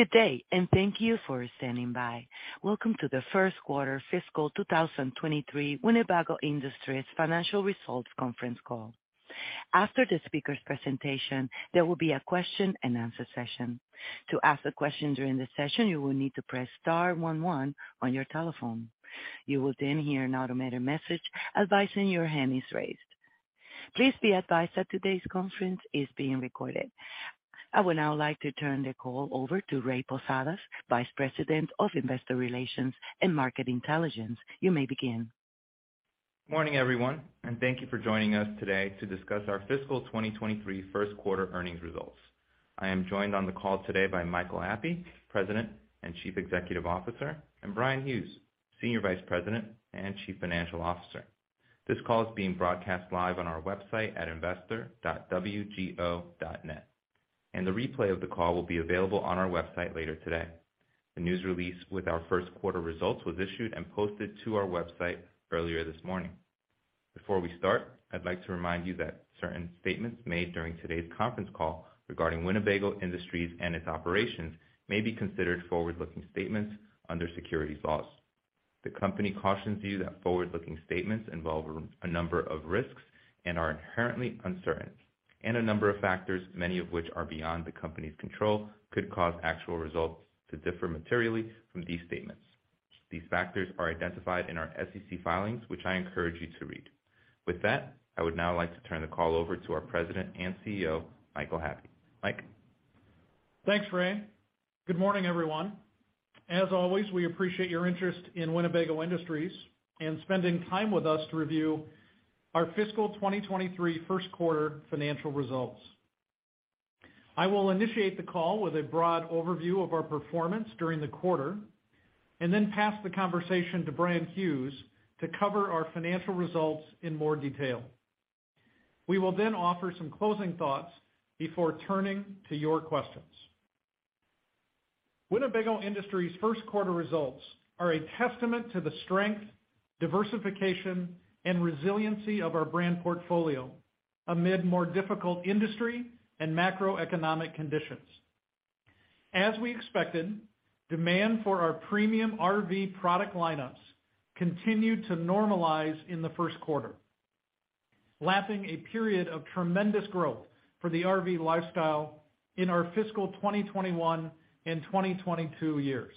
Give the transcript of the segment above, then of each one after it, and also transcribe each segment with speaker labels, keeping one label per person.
Speaker 1: Good day and thank you for standing by. Welcome to the First Quarter Fiscal 2023 Winnebago Industries Financial Results Conference Call. After the speaker's presentation, there will be a question-and-answer session. To ask a question during the session, you will need to press star one, one on your telephone. You will then hear an automated message advising your hand is raised. Please be advised that today's conference is being recorded. I would now like to turn the call over to Ray Posadas, Vice President of Investor Relations and Market Intelligence. You may begin.
Speaker 2: Morning, everyone, thank you for joining us today to discuss our fiscal 2023 first quarter earnings results. I am joined on the call today by Michael Happe, President and Chief Executive Officer, and Bryan Hughes, Senior Vice President and Chief Financial Officer. This call is being broadcast live on our website at investor.wgo.net, and the replay of the call will be available on our website later today. The news release with our first quarter results was issued and posted to our website earlier this morning. Before we start, I'd like to remind you that certain statements made during today's conference call regarding Winnebago Industries and its operations may be considered forward-looking statements under security laws. The company cautions you that forward-looking statements involve a number of risks and are inherently uncertain, and a number of factors, many of which are beyond the company's control, could cause actual results to differ materially from these statements. These factors are identified in our SEC filings, which I encourage you to read. With that, I would now like to turn the call over to our President and CEO, Michael Happe. Mike?
Speaker 3: Thanks, Ray. Good morning, everyone. As always, we appreciate your interest in Winnebago Industries and spending time with us to review our fiscal 2023 first quarter financial results. I will initiate the call with a broad overview of our performance during the quarter and then pass the conversation to Bryan Hughes to cover our financial results in more detail. We will then offer some closing thoughts before turning to your questions. Winnebago Industries' first quarter results are a testament to the strength, diversification, and resiliency of our brand portfolio amid more difficult industry and macroeconomic conditions. As we expected, demand for our premium RV product lineups continued to normalize in the first quarter, lapping a period of tremendous growth for the RV lifestyle in our fiscal 2021 and 2022 years.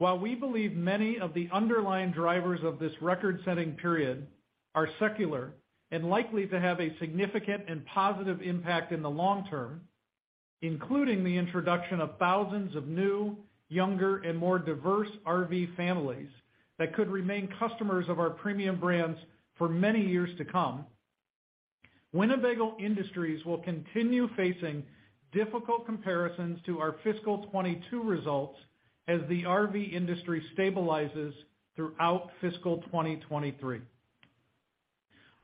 Speaker 3: While we believe many of the underlying drivers of this record-setting period are secular and likely to have a significant and positive impact in the long term, including the introduction of thousands of new, younger, and more diverse RV families that could remain customers of our premium brands for many years to come, Winnebago Industries will continue facing difficult comparisons to our fiscal 2022 results as the RV industry stabilizes throughout fiscal 2023.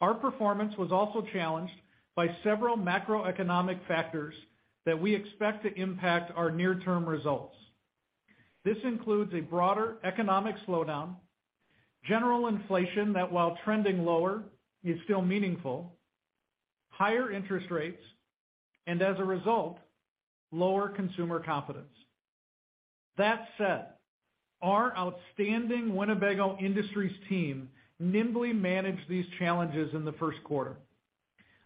Speaker 3: Our performance was also challenged by several macroeconomic factors that we expect to impact our near-term results. This includes a broader economic slowdown, general inflation that while trending lower, is still meaningful, higher interest rates, and as a result, lower consumer confidence. That said, our outstanding Winnebago Industries team nimbly managed these challenges in the first quarter.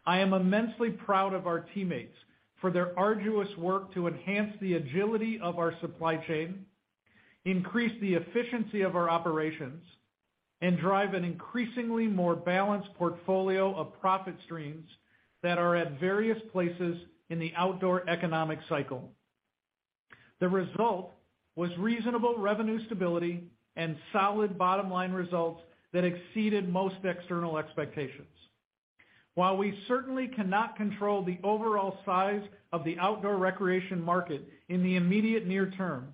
Speaker 3: I am immensely proud of our teammates for their arduous work to enhance the agility of our supply chain, increase the efficiency of our operations, and drive an increasingly more balanced portfolio of profit streams that are at various places in the outdoor economic cycle. The result was reasonable revenue stability and solid bottom-line results that exceeded most external expectations. While we certainly cannot control the overall size of the outdoor recreation market in the immediate near term,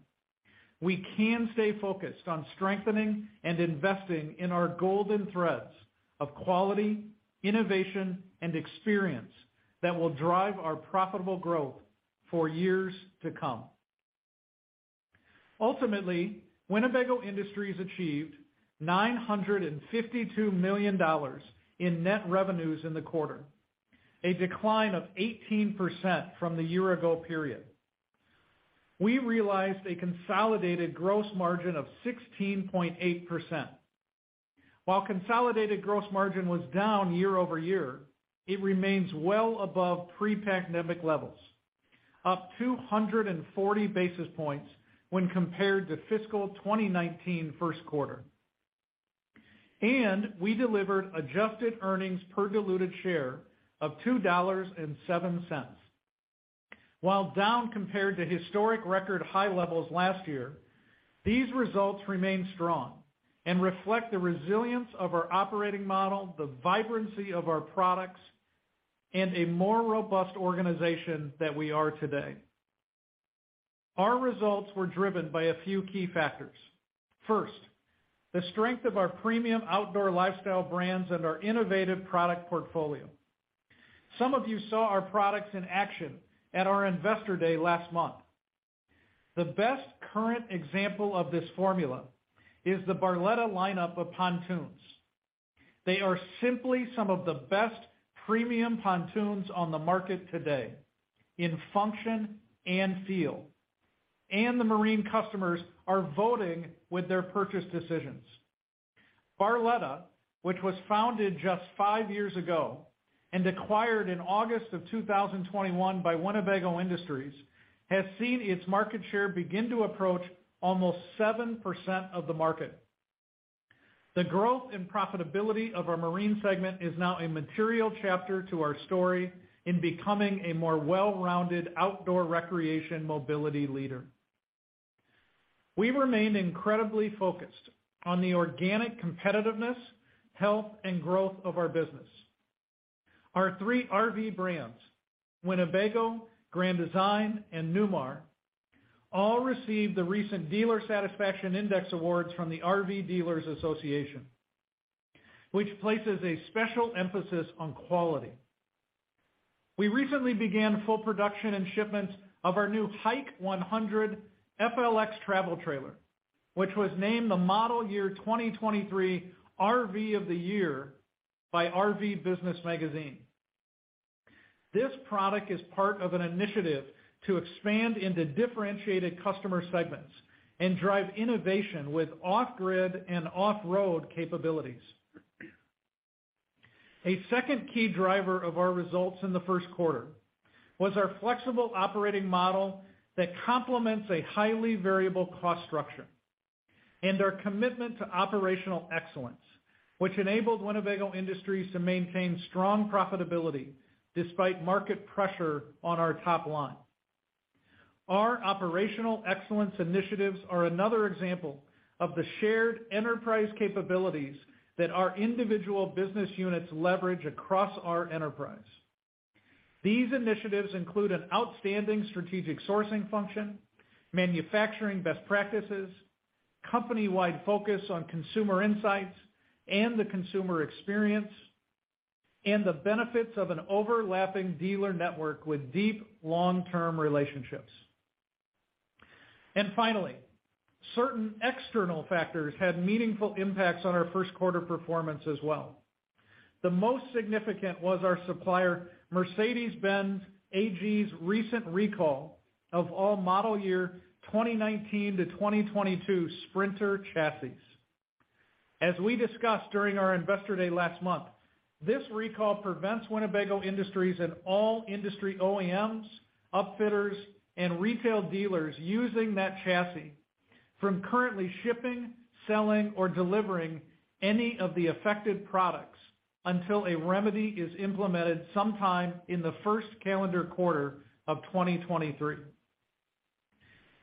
Speaker 3: we can stay focused on strengthening and investing in our golden threads of quality, innovation, and experience that will drive our profitable growth for years to come. Winnebago Industries achieved $952 million in net revenues in the quarter, a decline of 18% from the year-ago period. We realized a consolidated gross margin of 16.8%. While consolidated gross margin was down year-over-year, it remains well above pre-pandemic levels, up 240-basis points when compared to fiscal 2019 first quarter. We delivered adjusted earnings per diluted share of $2.07. While down compared to historic record high levels last year, these results remain strong and reflect the resilience of our operating model, the vibrancy of our products, and a more robust organization that we are today. Our results were driven by a few key factors. First, the strength of our premium outdoor lifestyle brands and our innovative product portfolio. Some of you saw our products in action at our Investor Day last month. The best current example of this formula is the Barletta lineup of pontoons. They are simply some of the best premium pontoons on the market today in function and feel. The marine customers are voting with their purchase decisions. Barletta, which was founded just five years ago and acquired in August of 2021 by Winnebago Industries, has seen its market share begin to approach almost 7% of the market. The growth and profitability of our marine segment is now a material chapter to our story in becoming a more well-rounded outdoor recreation mobility leader. We remain incredibly focused on the organic competitiveness, health and growth of our business. Our three RV brands, Winnebago, Grand Design and Newmar all received the recent Dealer Satisfaction Index Awards from the RV Dealers Association, which places a special emphasis on quality. We recently began full production and shipments of our new HIKE 100 FLX travel trailer, which was named the Model Year 2023 RV of the Year by RVBusiness Magazine. This product is part of an initiative to expand into differentiated customer segments and drive innovation with off-grid and off-road capabilities. A second key driver of our results in the first quarter was our flexible operating model that complements a highly variable cost structure and our commitment to operational excellence, which enabled Winnebago Industries to maintain strong profitability despite market pressure on our top line. Our operational excellence initiatives are another example of the shared enterprise capabilities that our individual business units leverage across our enterprise. These initiatives include an outstanding strategic sourcing function, manufacturing best practices, company-wide focus on consumer insights and the consumer experience, and the benefits of an overlapping dealer network with deep long-term relationships. Finally, certain external factors had meaningful impacts on our first quarter performance as well. The most significant was our supplier Mercedes-Benz AG's recent recall of all model year 2019 to 2022 Sprinter Chassis. As we discussed during our Investor Day last month, this recall prevents Winnebago Industries and all industry OEMs, upfitters and retail dealers using that chassis from currently shipping, selling or delivering any of the affected products until a remedy is implemented sometime in the first calendar quarter of 2023.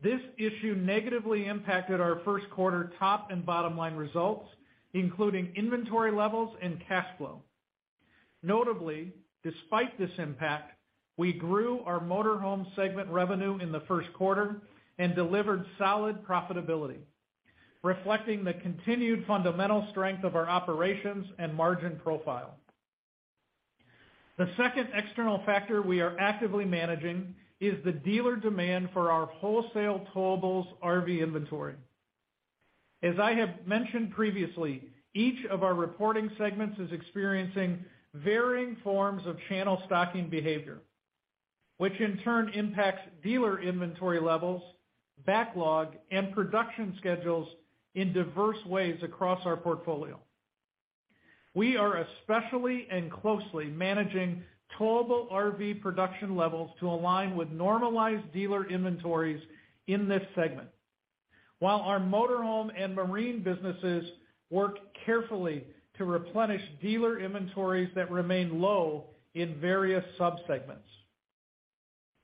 Speaker 3: This issue negatively impacted our first quarter top and bottom-line results, including inventory levels and cash flow. Notably, despite this impact, we grew our motorhome segment revenue in the first quarter and delivered solid profitability, reflecting the continued fundamental strength of our operations and margin profile. The second external factor we are actively managing is the dealer demand for our wholesale towables RV inventory. As I have mentioned previously, each of our reporting segments is experiencing varying forms of channel stocking behavior, which in turn impacts dealer inventory levels, backlog and production schedules in diverse ways across our portfolio. We are especially and closely managing towable RV production levels to align with normalized dealer inventories in this segment. While our motorhome and marine businesses work carefully to replenish dealer inventories that remain low in various subsegments.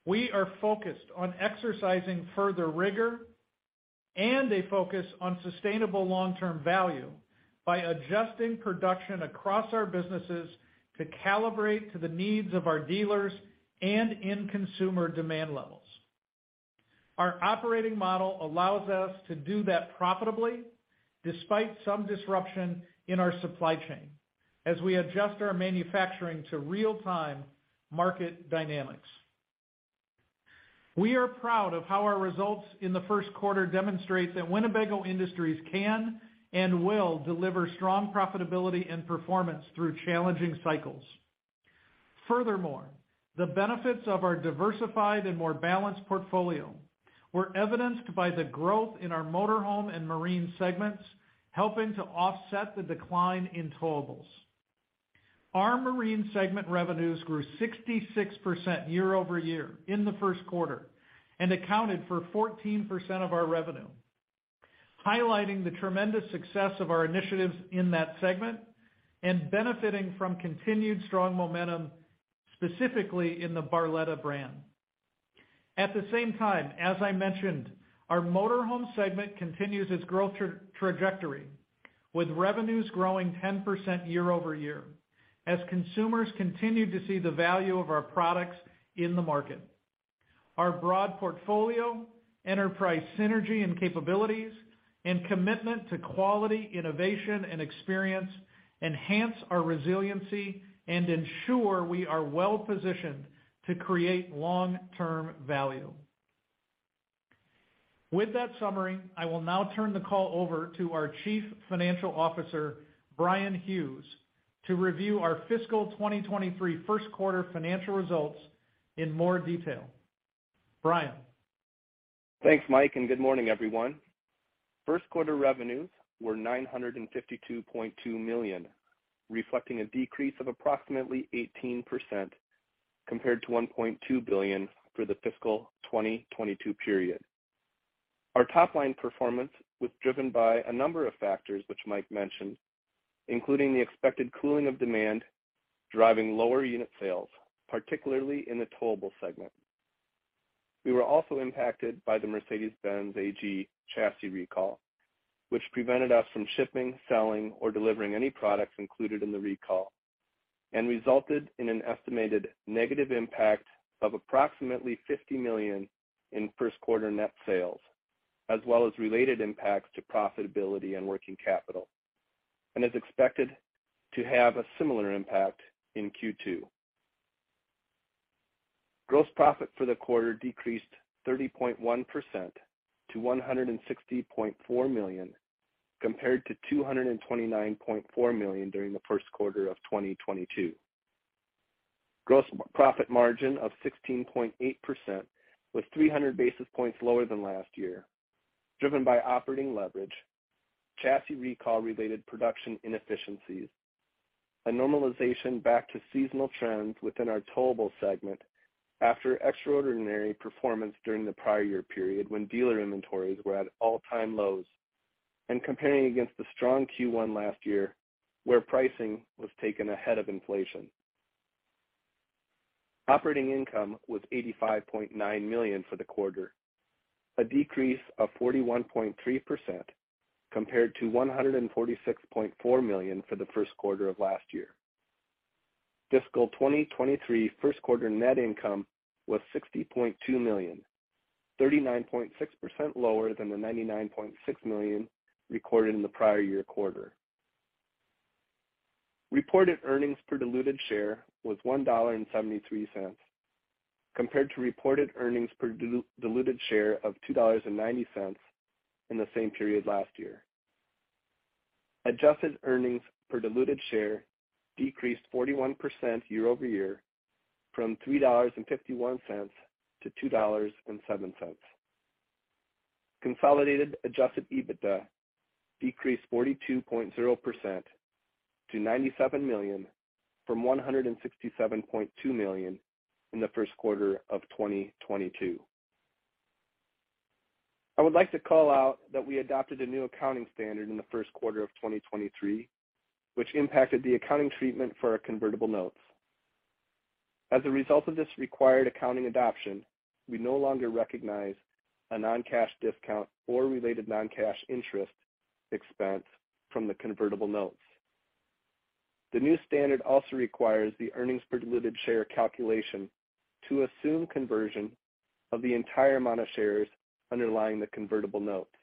Speaker 3: We are focused on exercising further rigor and a focus on sustainable long-term value by adjusting production across our businesses to calibrate to the needs of our dealers and in consumer demand levels. Our operating model allows us to do that profitably despite some disruption in our supply chain as we adjust our manufacturing to real-time market dynamics. We are proud of how our results in the first quarter demonstrate that Winnebago Industries can and will deliver strong profitability and performance through challenging cycles. The benefits of our diversified and more balanced portfolio were evidenced by the growth in our motorhome and marine segments, helping to offset the decline in towables. Our marine segment revenues grew 66% year-over-year in the first quarter and accounted for 14% of our revenue, highlighting the tremendous success of our initiatives in that segment and benefiting from continued strong momentum, specifically in the Barletta brand. At the same time, as I mentioned, our motorhome segment continues its growth trajectory with revenues growing 10% year-over-year as consumers continue to see the value of our products in the market. Our broad portfolio, enterprise synergy and capabilities and commitment to quality, innovation and experience enhance our resiliency and ensure we are well-positioned to create long-term value. With that summary, I will now turn the call over to our Chief Financial Officer, Bryan Hughes, to review our fiscal 2023 first quarter financial results in more detail. Bryan?
Speaker 4: Thanks, Mike, and good morning, everyone. First quarter revenues were $952.2 million, reflecting a decrease of approximately 18% compared to $1.2 billion for the fiscal 2022 period. Our top line performance was driven by a number of factors which Mike mentioned, including the expected cooling of demand, driving lower unit sales, particularly in the Towable segment. We were also impacted by the Mercedes-Benz AG chassis recall, which prevented us from shipping, selling, or delivering any products included in the recall and resulted in an estimated negative impact of approximately $50 million in first quarter net sales as well as related impacts to profitability and working capital and is expected to have a similar impact in second quarter. Gross profit for the quarter decreased 30.1% to $160.4 million, compared to $229.4 million during the first quarter of 2022. Gross profit margin of 16.8% was 300-basis points lower than last year, driven by operating leverage, chassis recall related production inefficiencies, a normalization back to seasonal trends within our Towable segment after extraordinary performance during the prior year period when dealer inventories were at all-time lows and comparing against the strong first quarter last year where pricing was taken ahead of inflation. Operating income was $85.9 million for the quarter, a decrease of 41.3% compared to $146.4 million for the first quarter of last year. Fiscal 2023 first quarter net income was $60.2 million, 39.6% lower than the $99.6 million recorded in the prior year quarter. Reported earnings per diluted share was $1.73 compared to reported earnings per diluted share of $2.90 in the same period last year. Adjusted earnings per diluted share decreased 41% year-over-year from $3.51 to 2.07. Consolidated adjusted EBITDA decreased 42.0% to $97 million from $167.2 million in the first quarter of 2022. I would like to call out that we adopted a new accounting standard in the first quarter of 2023, which impacted the accounting treatment for our convertible notes. As a result of this required accounting adoption, we no longer recognize a non-cash discount or related non-cash interest expense from the convertible notes. The new standard also requires the earnings per diluted share calculation to assume conversion of the entire amount of shares underlying the convertible notes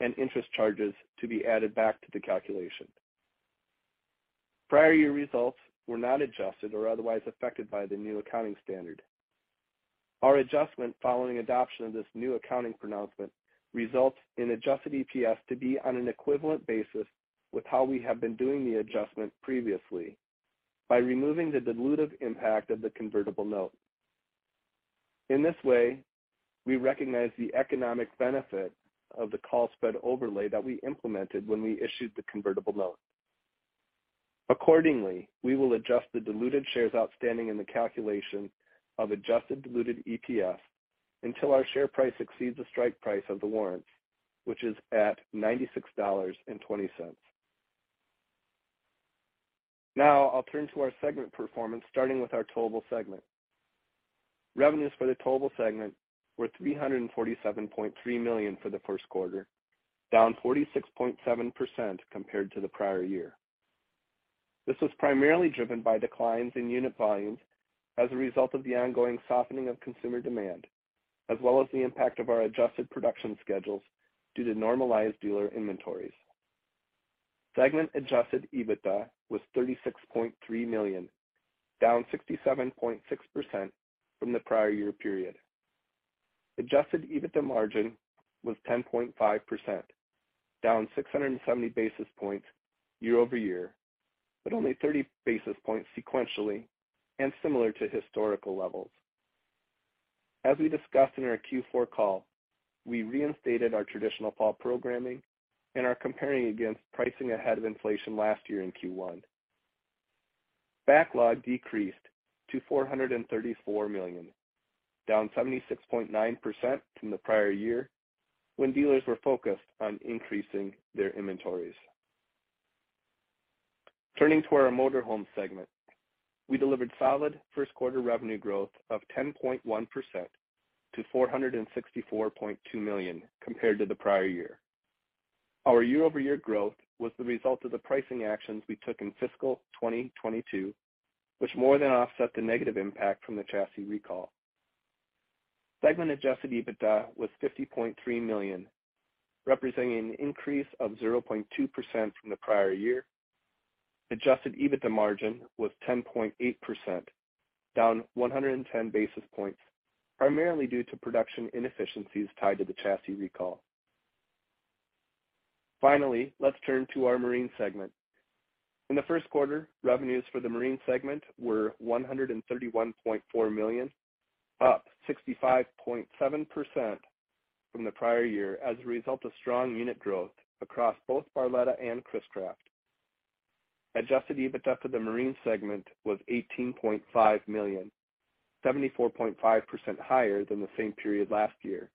Speaker 4: and interest charges to be added back to the calculation. Prior year results were not adjusted or otherwise affected by the new accounting standard. Our adjustment following adoption of this new accounting pronouncement results in adjusted EPS to be on an equivalent basis with how we have been doing the adjustment previously by removing the dilutive impact of the convertible note. In this way, we recognize the economic benefit of the call spread overlay that we implemented when we issued the convertible note. Accordingly, we will adjust the diluted shares outstanding in the calculation of adjusted diluted EPS until our share price exceeds the strike price of the warrants, which is at $96.20. Now I'll turn to our segment performance, starting with our Towable segment. Revenues for the Towable segment were $347.3 million for the first quarter, down 46.7% compared to the prior year. This was primarily driven by declines in unit volumes as a result of the ongoing softening of consumer demand, as well as the impact of our adjusted production schedules due to normalized dealer inventories. Segment adjusted EBITDA was $36.3 million, down 67.6% from the prior year period. Adjusted EBITDA margin was 10.5%, down 670-basis points year-over-year, but only 30-basis points sequentially and similar to historical levels. As we discussed in our fourth quarter call, we reinstated our traditional fall programming and are comparing against pricing ahead of inflation last year in first quarter. Backlog decreased to $434 million, down 76.9% from the prior year when dealers were focused on increasing their inventories. Turning to our motorhome segment, we delivered solid first quarter revenue growth of 10.1% to $464.2 million compared to the prior year. Our year-over-year growth was the result of the pricing actions we took in fiscal 2022, which more than offset the negative impact from the chassis recall. Segment Adjusted EBITDA was $50.3 million, representing an increase of 0.2% from the prior year. Adjusted EBITDA margin was 10.8%, down 110-basis points, primarily due to production inefficiencies tied to the chassis recall. Let's turn to our Marine segment. In the first quarter, revenues for the Marine segment were $131.4 million, up 65.7% from the prior year as a result of strong unit growth across both Barletta and Chris-Craft. Adjusted EBITDA for the Marine segment was $18.5 million, 74.5% higher than the same period last year,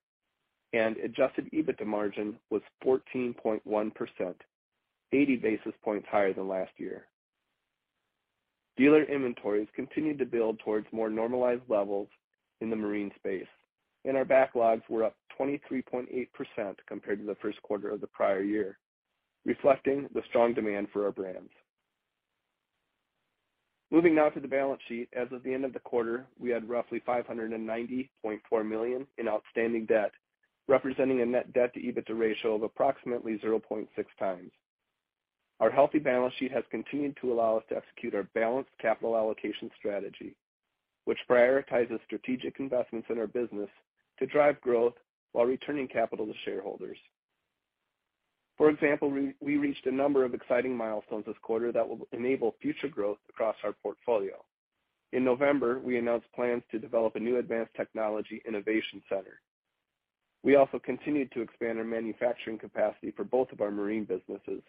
Speaker 4: and Adjusted EBITDA margin was 14.1%, 80-basis points higher than last year. Dealer inventories continued to build towards more normalized levels in the Marine space. Our backlogs were up 23.8% compared to the first quarter of the prior year, reflecting the strong demand for our brands. Moving now to the balance sheet. As of the end of the quarter, we had roughly $590.4 million in outstanding debt, representing a net debt-to-EBITDA ratio of approximately 0.6x. Our healthy balance sheet has continued to allow us to execute our balanced capital allocation strategy, which prioritizes strategic investments in our business to drive growth while returning capital to shareholders. For example, we reached a number of exciting milestones this quarter that will enable future growth across our portfolio. In November, we announced plans to develop a new Advanced Technology Innovation Center. We also continued to expand our manufacturing capacity for both of our Marine businesses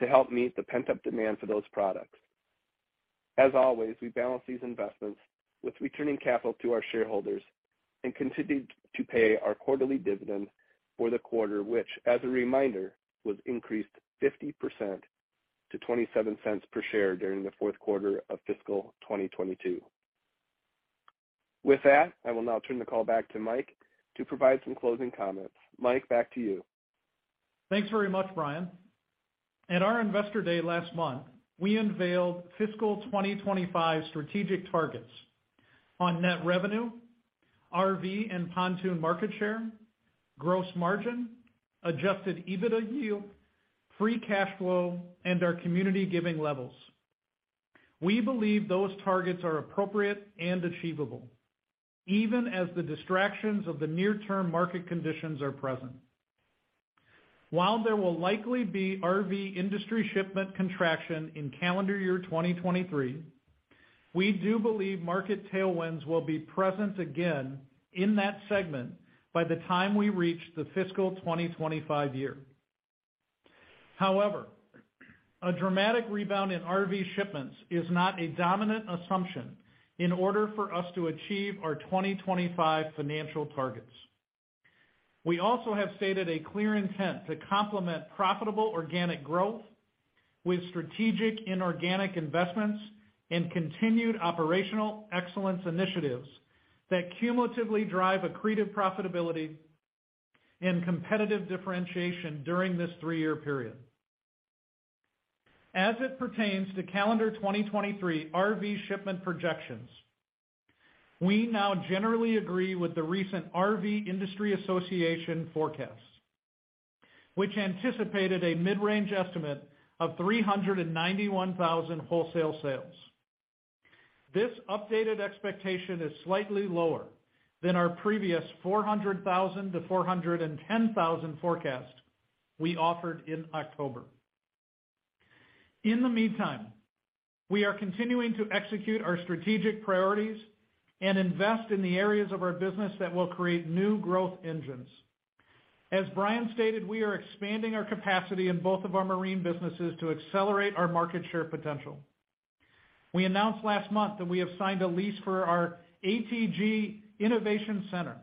Speaker 4: to help meet the pent-up demand for those products. As always, we balance these investments with returning capital to our shareholders and continued to pay our quarterly dividend for the quarter which, as a reminder, was increased 50% to $0.27 per share during the fourth quarter of fiscal 2022. I will now turn the call back to Mike to provide some closing comments. Mike, back to you.
Speaker 3: Thanks very much, Bryan. At our Investor Day last month, we unveiled fiscal 2025 strategic targets on net revenue, RV and pontoon market share, gross margin, adjusted EBITDA yield, free cash flow, and our community giving levels. We believe those targets are appropriate and achievable, even as the distractions of the near-term market conditions are present. While there will likely be RV industry shipment contraction in calendar year 2023, we do believe market tailwinds will be present again in that segment by the time we reach the fiscal 2025 year. However, a dramatic rebound in RV shipments is not a dominant assumption in order for us to achieve our 2025 financial targets. We also have stated a clear intent to complement profitable organic growth with strategic inorganic investments and continued operational excellence initiatives that cumulatively drive accretive profitability and competitive differentiation during this three-year period. As it pertains to calendar 2023 RV shipment projections, we now generally agree with the recent RV Industry Association forecast, which anticipated a mid-range estimate of 391,000 wholesale sales. This updated expectation is slightly lower than our previous 400,000 to 410,000 forecast we offered in October. In the meantime, we are continuing to execute our strategic priorities and invest in the areas of our business that will create new growth engines. As Bryan stated, we are expanding our capacity in both of our Marine businesses to accelerate our market share potential. We announced last month that we have signed a lease for our ATG Innovation Center,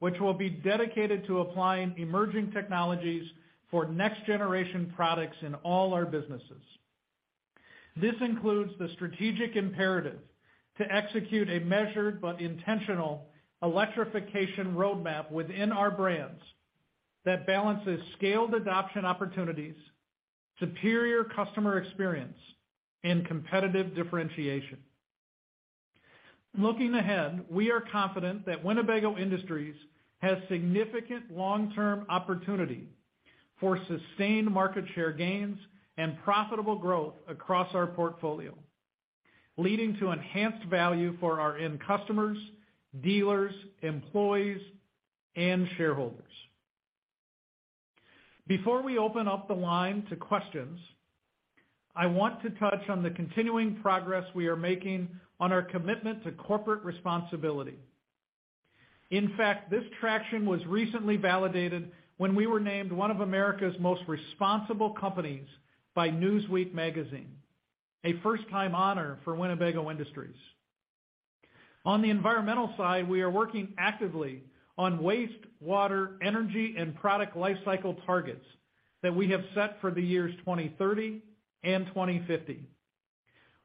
Speaker 3: which will be dedicated to applying emerging technologies for next-generation products in all our businesses. This includes the strategic imperative to execute a measured but intentional electrification roadmap within our brands that balances scaled adoption opportunities, superior customer experience, and competitive differentiation. Looking ahead, we are confident that Winnebago Industries has significant long-term opportunity for sustained market share gains and profitable growth across our portfolio, leading to enhanced value for our end customers, dealers, employees, and shareholders. Before we open up the line to questions, I want to touch on the continuing progress we are making on our commitment to corporate responsibility. In fact, this traction was recently validated when we were named one of America's most responsible companies by Newsweek, a first-time honor for Winnebago Industries. On the environmental side, we are working actively on waste, water, energy, and product lifecycle targets that we have set for the years 2030 and 2050.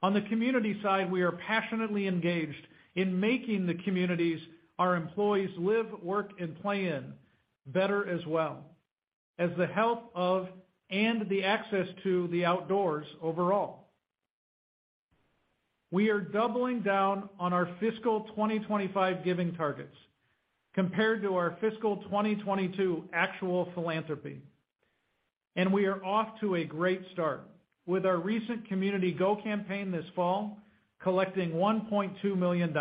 Speaker 3: On the community side, we are passionately engaged in making the communities our employees live, work, and play in better as well as the health of and the access to the outdoors overall. We are doubling down on our fiscal 2025 giving targets compared to our fiscal 2022 actual philanthropy. We are off to a great start with our recent Community Go campaign this fall, collecting $1.2 million,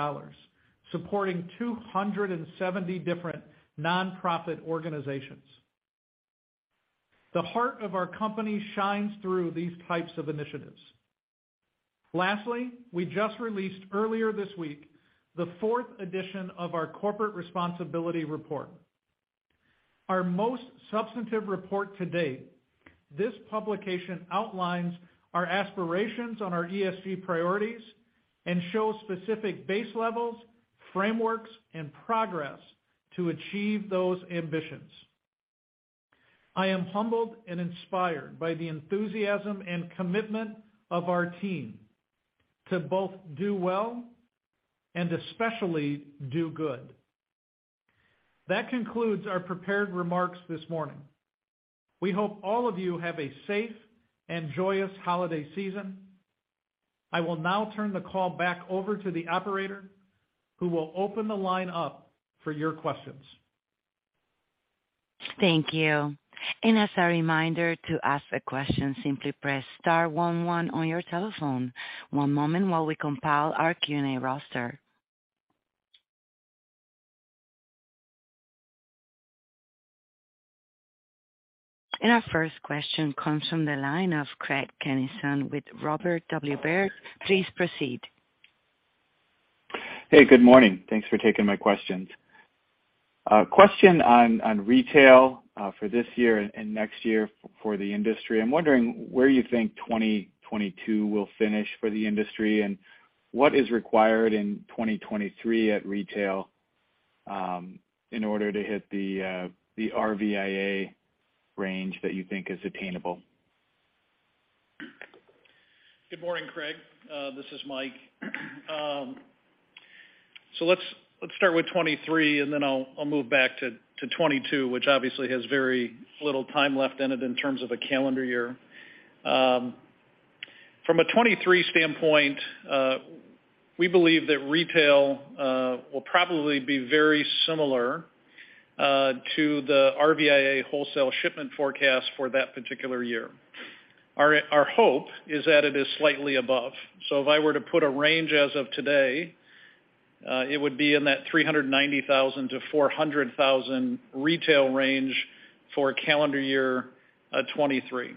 Speaker 3: supporting 270 different nonprofit organizations. The heart of our company shines through these types of initiatives. Lastly, we just released earlier this week the fourth edition of our corporate responsibility report. Our most substantive report to date, this publication outlines our aspirations on our ESG priorities and shows specific base levels, frameworks, and progress to achieve those ambitions. I am humbled and inspired by the enthusiasm and commitment of our team to both do well and especially do good. That concludes our prepared remarks this morning. We hope all of you have a safe and joyous holiday season. I will now turn the call back over to the operator, who will open the line up for your questions.
Speaker 1: Thank you. As a reminder to ask a question, simply press star one, one on your telephone. One moment while we compile our Q&A roster. Our first question comes from the line of Craig Kennison with Robert W. Baird. Please proceed.
Speaker 5: Hey, good morning. Thanks for taking my questions. A question on retail for this year and next year for the industry. I'm wondering where you think 2022 will finish for the industry and what is required in 2023 at retail, in order to hit the RVIA range that you think is attainable.
Speaker 3: Good morning, Craig. This is Mike. Let's start with 2023 and then I'll move back to 2022, which obviously has very little time left in it in terms of a calendar year. From a 2023 standpoint, we believe that retail will probably be very similar to the RVIA wholesale shipment forecast for that particular year. Our hope is that it is slightly above. If I were to put a range as of today, it would be in that 390,000 to 400,000 retail range for calendar year 2023,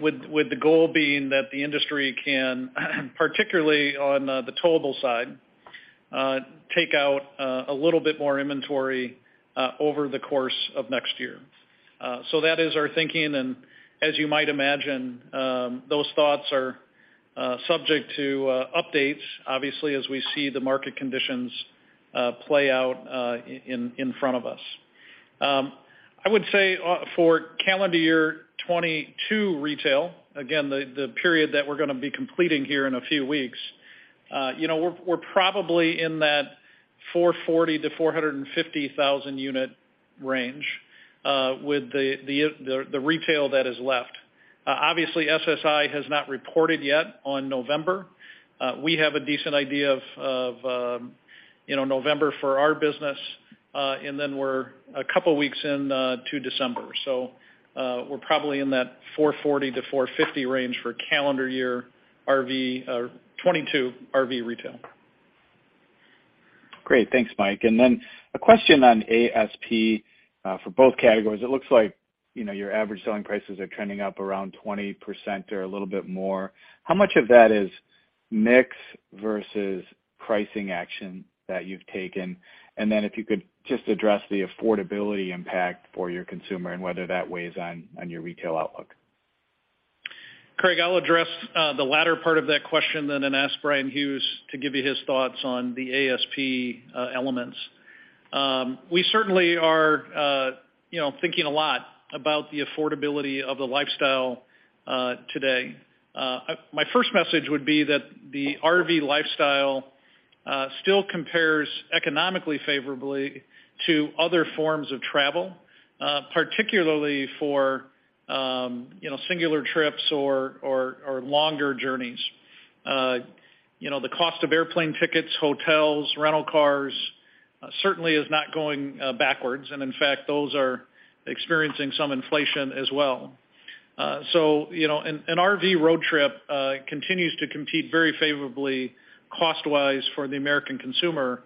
Speaker 3: with the goal being that the industry can, particularly on the towable side, take out a little bit more inventory over the course of next year. That is our thinking As you might imagine, those thoughts are subject to updates, obviously, as we see the market conditions play out in front of us. I would say for calendar year 2022 retail, again, the period that we're gonna be completing here in a few weeks, you know, we're probably in that 440,000-to-450,000-unit range with the retail that is left. Obviously, SSI has not reported yet on November. We have a decent idea of, you know, November for our business, and then we're a couple weeks into December. We're probably in that 440 to 450 range for calendar year 2022 RV retail.
Speaker 5: Great. Thanks, Mike. A question on ASP, for both categories. It looks like, you know, your average selling prices are trending up around 20% or a little bit more. How much of that is mix versus pricing action that you've taken? If you could just address the affordability impact for your consumer and whether that weighs on your retail outlook.
Speaker 3: Craig, I'll address the latter part of that question then and ask Bryan Hughes to give you his thoughts on the ASP elements. We certainly are, you know, thinking a lot about the affordability of the lifestyle today. My first message would be that the RV lifestyle still compares economically favorably to other forms of travel, particularly for, you know, singular trips or longer journeys. You know, the cost of airplane tickets, hotels, rental cars certainly is not going backwards. In fact, those are experiencing some inflation as well. You know, an RV road trip continues to compete very favorably cost-wise for the American consumer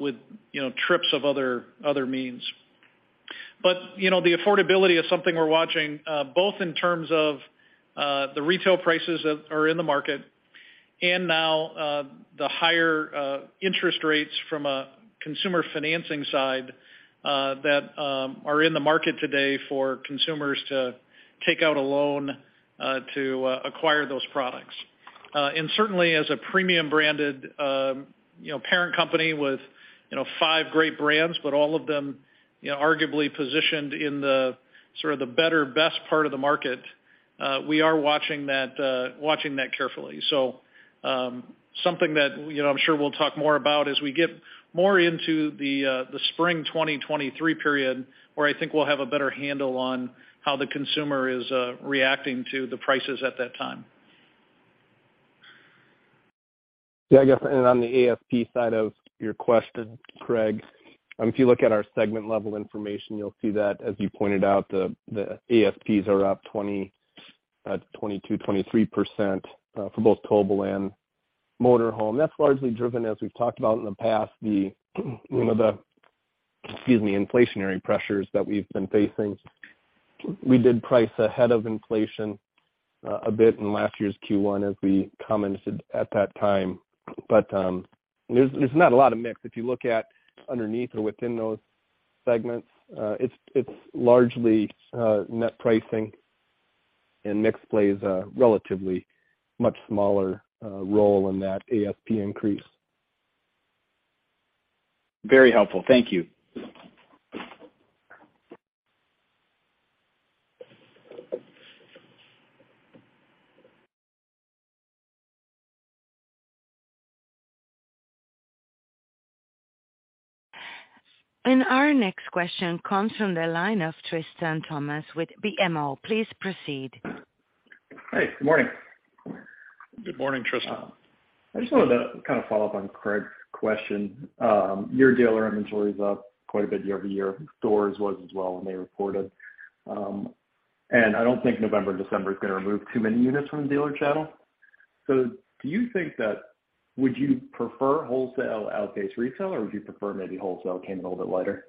Speaker 3: with, you know, trips of other means. You know, the affordability is something we're watching, both in terms of the retail prices that are in the market and now, the higher interest rates from a consumer financing side, that are in the market today for consumers to take out a loan to acquire those products. Certainly, as a premium branded, you know, parent company with, you know, five great brands, but all of them, you know, arguably positioned in the sort of the better, best part of the market, we are watching that, watching that carefully. Something that, you know, I'm sure we'll talk more about as we get more into the spring 2023 period, where I think we'll have a better handle on how the consumer is reacting to the prices at that time.
Speaker 4: Yeah, I guess, on the ASP side of your question, Craig, if you look at our segment-level information, you'll see that, as you pointed out, the ASPs are up 22% to 23% for both towable and motor home. That's largely driven, as we've talked about in the past, you know, the inflationary pressures that we've been facing. We did price ahead of inflation a bit in last year's first quarter, as we commented at that time. There's not a lot of mix. If you look at underneath or within those segments, it's largely net pricing, and mix plays a relatively much smaller role in that ASP increase.
Speaker 5: Very helpful. Thank you.
Speaker 1: Our next question comes from the line of Tristan Thomas with BMO. Please proceed.
Speaker 6: Hi. Good morning.
Speaker 3: Good morning, Tristan.
Speaker 6: I just wanted to kind of follow up on Craig's question. Your dealer inventory is up quite a bit year-over-year. Thor's was as well when they reported. I don't think November, December is gonna remove too many units from the dealer channel. Do you think that would you prefer wholesale outpace retail, or would you prefer maybe wholesale came in a little bit lighter?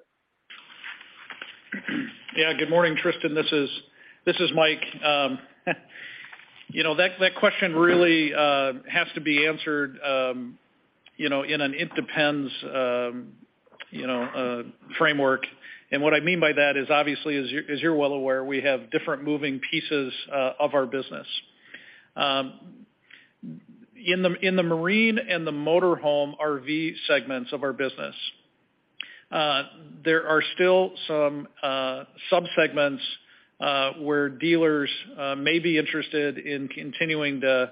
Speaker 3: Yeah. Good morning, Tristan. This is Mike. You know that question really has to be answered, you know, in an it depends framework. What I mean by that is obviously, as you're well aware, we have different moving pieces of our business. In the marine and the motor home RV segments of our business, there are still some subsegments where dealers may be interested in continuing to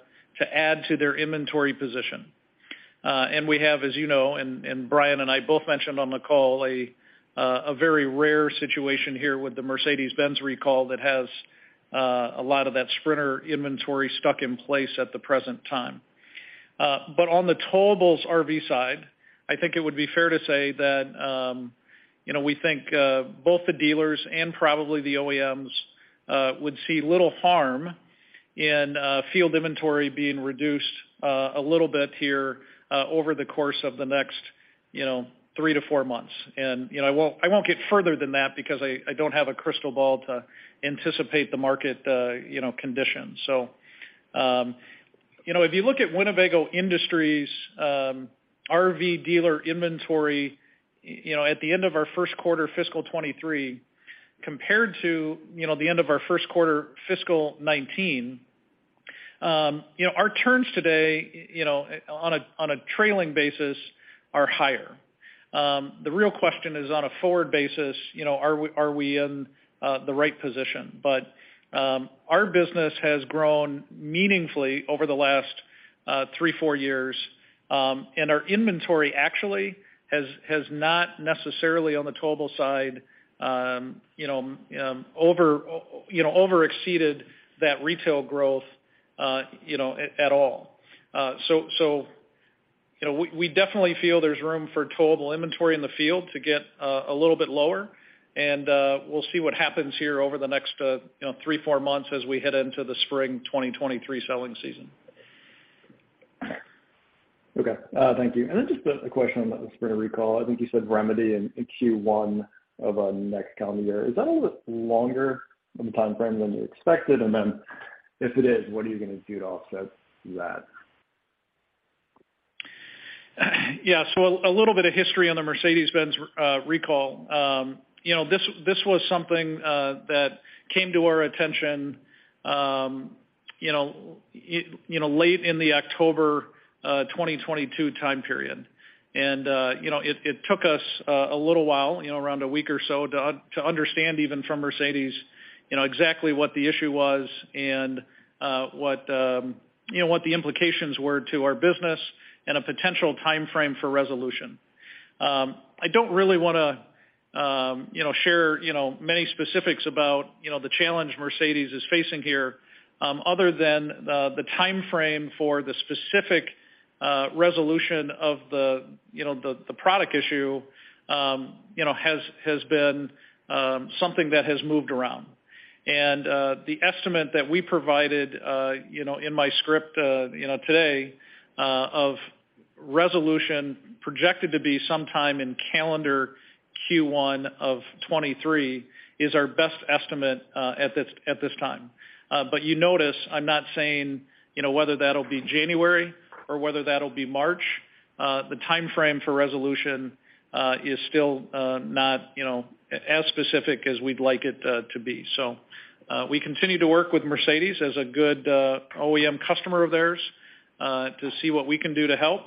Speaker 3: add to their inventory position. And we have, as you know, and Bryan and I both mentioned on the call a very rare situation here with the Mercedes-Benz recall that has a lot of that sprinter inventory stuck in place at the present time. On the towable RV side, I think it would be fair to say that, you know, we think both the dealers and probably the OEMs would see little harm in field inventory being reduced a little bit here over the course of the next, you know, three to four months. You know, I won't get further than that because I don't have a crystal ball to anticipate the market, you know, conditions. You know, if you look at Winnebago Industries' RV dealer inventory, you know, at the end of our first quarter fiscal 2023, compared to, you know, the end of our first quarter fiscal 2019, you know, our turns today, you know, on a trailing basis are higher. The real question is, on a forward basis, you know, are we in the right position? Our business has grown meaningfully over the last three, four years, and our inventory actually has not necessarily on the towable side, you know, over, you know, over-exceeded that retail growth, you know, at all. You know, we definitely feel there's room for towable inventory in the field to get a little bit lower, and we'll see what happens here over the next, you know, three, four months as we head into the Spring 2023 selling season.
Speaker 6: Okay. Thank you. Just a question on the spring recall. I think you said remedy in first quarter of next calendar year. Is that a little bit longer of a timeframe than you expected? If it is, what are you gonna do to offset that?
Speaker 3: Yeah. A little bit of history on the Mercedes-Benz recall. You know, this was something that came to our attention, you know, it, you know, late in the October 2022 time period. You know, it took us a little while, you know, around a week or so to understand even from Mercedes, you know, exactly what the issue was and what, you know, what the implications were to our business and a potential timeframe for resolution. I don't really wanna, you know, share, you know, many specifics about, you know, the challenge Mercedes is facing here, other than the timeframe for the specific resolution of the, you know, the product issue, you know, has been something that has moved around. The estimate that we provided, you know, in my script, you know, today, of resolution projected to be sometime in calendar first quarter of 2023 is our best estimate at this time. You notice I'm not saying, you know, whether that'll be January or whether that'll be March. The timeframe for resolution is still not, you know, as specific as we'd like it to be. We continue to work with Mercedes as a good OEM customer of theirs to see what we can do to help.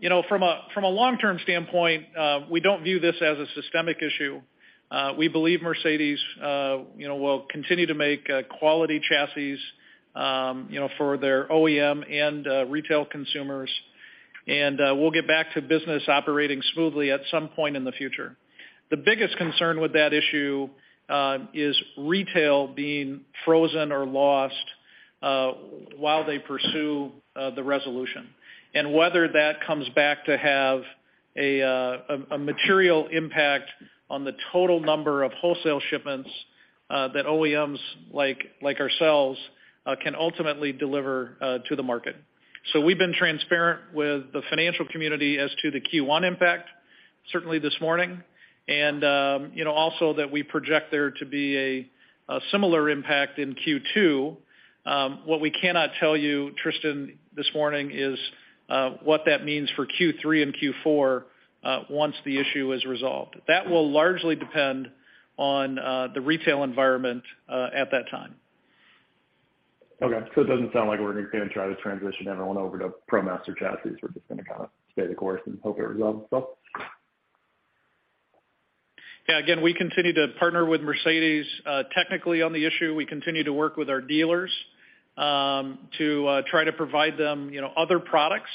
Speaker 3: You know, from a long-term standpoint, we don't view this as a systemic issue. We believe Mercedes, you know, will continue to make quality chassis, you know, for their OEM and retail consumers. We'll get back to business operating smoothly at some point in the future. The biggest concern with that issue is retail being frozen or lost while they pursue the resolution. Whether that comes back to have a material impact on the total number of wholesale shipments that OEMs like ourselves can ultimately deliver to the market. We've been transparent with the financial community as to the first quarter impact, certainly this morning. You know, also that we project there to be a similar impact in second quarter. What we cannot tell you, Tristan, this morning is what that means for third quarter and fourth quarter once the issue is resolved. That will largely depend on the retail environment at that time.
Speaker 6: It doesn't sound like we're going to try to transition everyone over to ProMaster Chassis. We're just going to kind of stay the course and hope it resolves itself?
Speaker 3: Again, we continue to partner with Mercedes, technically on the issue. We continue to work with our dealers, to try to provide them, you know, other products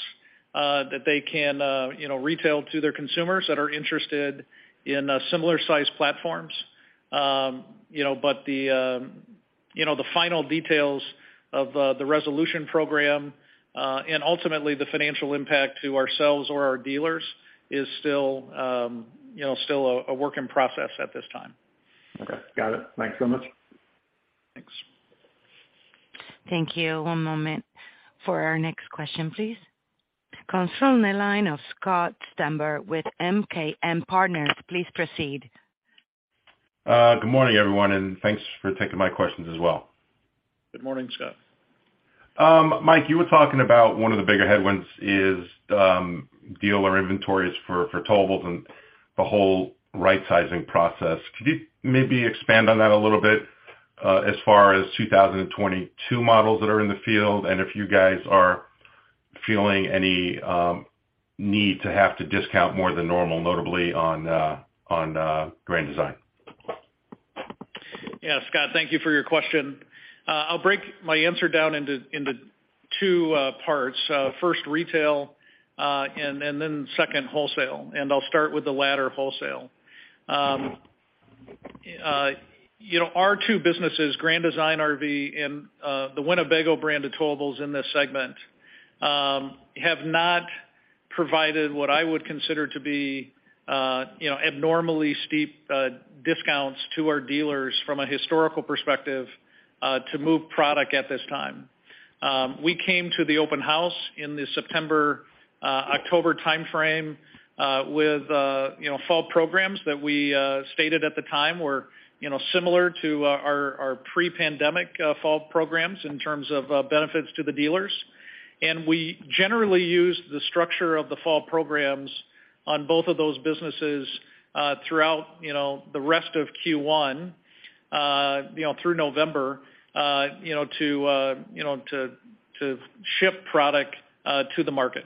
Speaker 3: that they can, you know, retail to their consumers that are interested in similar-sized platforms. But the, you know, the final details of the resolution program, and ultimately the financial impact to ourselves or our dealers is still, you know, still a work in process at this time.
Speaker 6: Okay. Got it. Thanks so much.
Speaker 3: Thanks.
Speaker 1: Thank you. One moment for our next question, please. Console line of Scott Stember with MKM Partners. Please proceed.
Speaker 7: Good morning, everyone, and thanks for taking my questions as well.
Speaker 3: Good morning, Scott.
Speaker 7: Mike, you were talking about one of the bigger headwinds is dealer inventories for towables and the whole right-sizing process. Could you maybe expand on that a little bit as far as 2022 models that are in the field, and if you guys are feeling any need to have to discount more than normal, notably on Grand Design?
Speaker 3: Yeah, Scott, thank you for your question. I'll break my answer down into two parts. First retail, and then second, wholesale, and I'll start with the latter, wholesale. You know, our two businesses, Grand Design RV and the Winnebago brand of towables in this segment, have not provided what I would consider to be, you know, abnormally steep discounts to our dealers from a historical perspective to move product at this time. We came to the open house in the September to October timeframe with, you know, fall programs that we stated at the time were, you know, similar to our pre-pandemic fall programs in terms of benefits to the dealers. We generally used the structure of the fall programs on both of those businesses, throughout, you know, the rest of first quarter, you know, through November, you know, to, you know, to ship product to the market.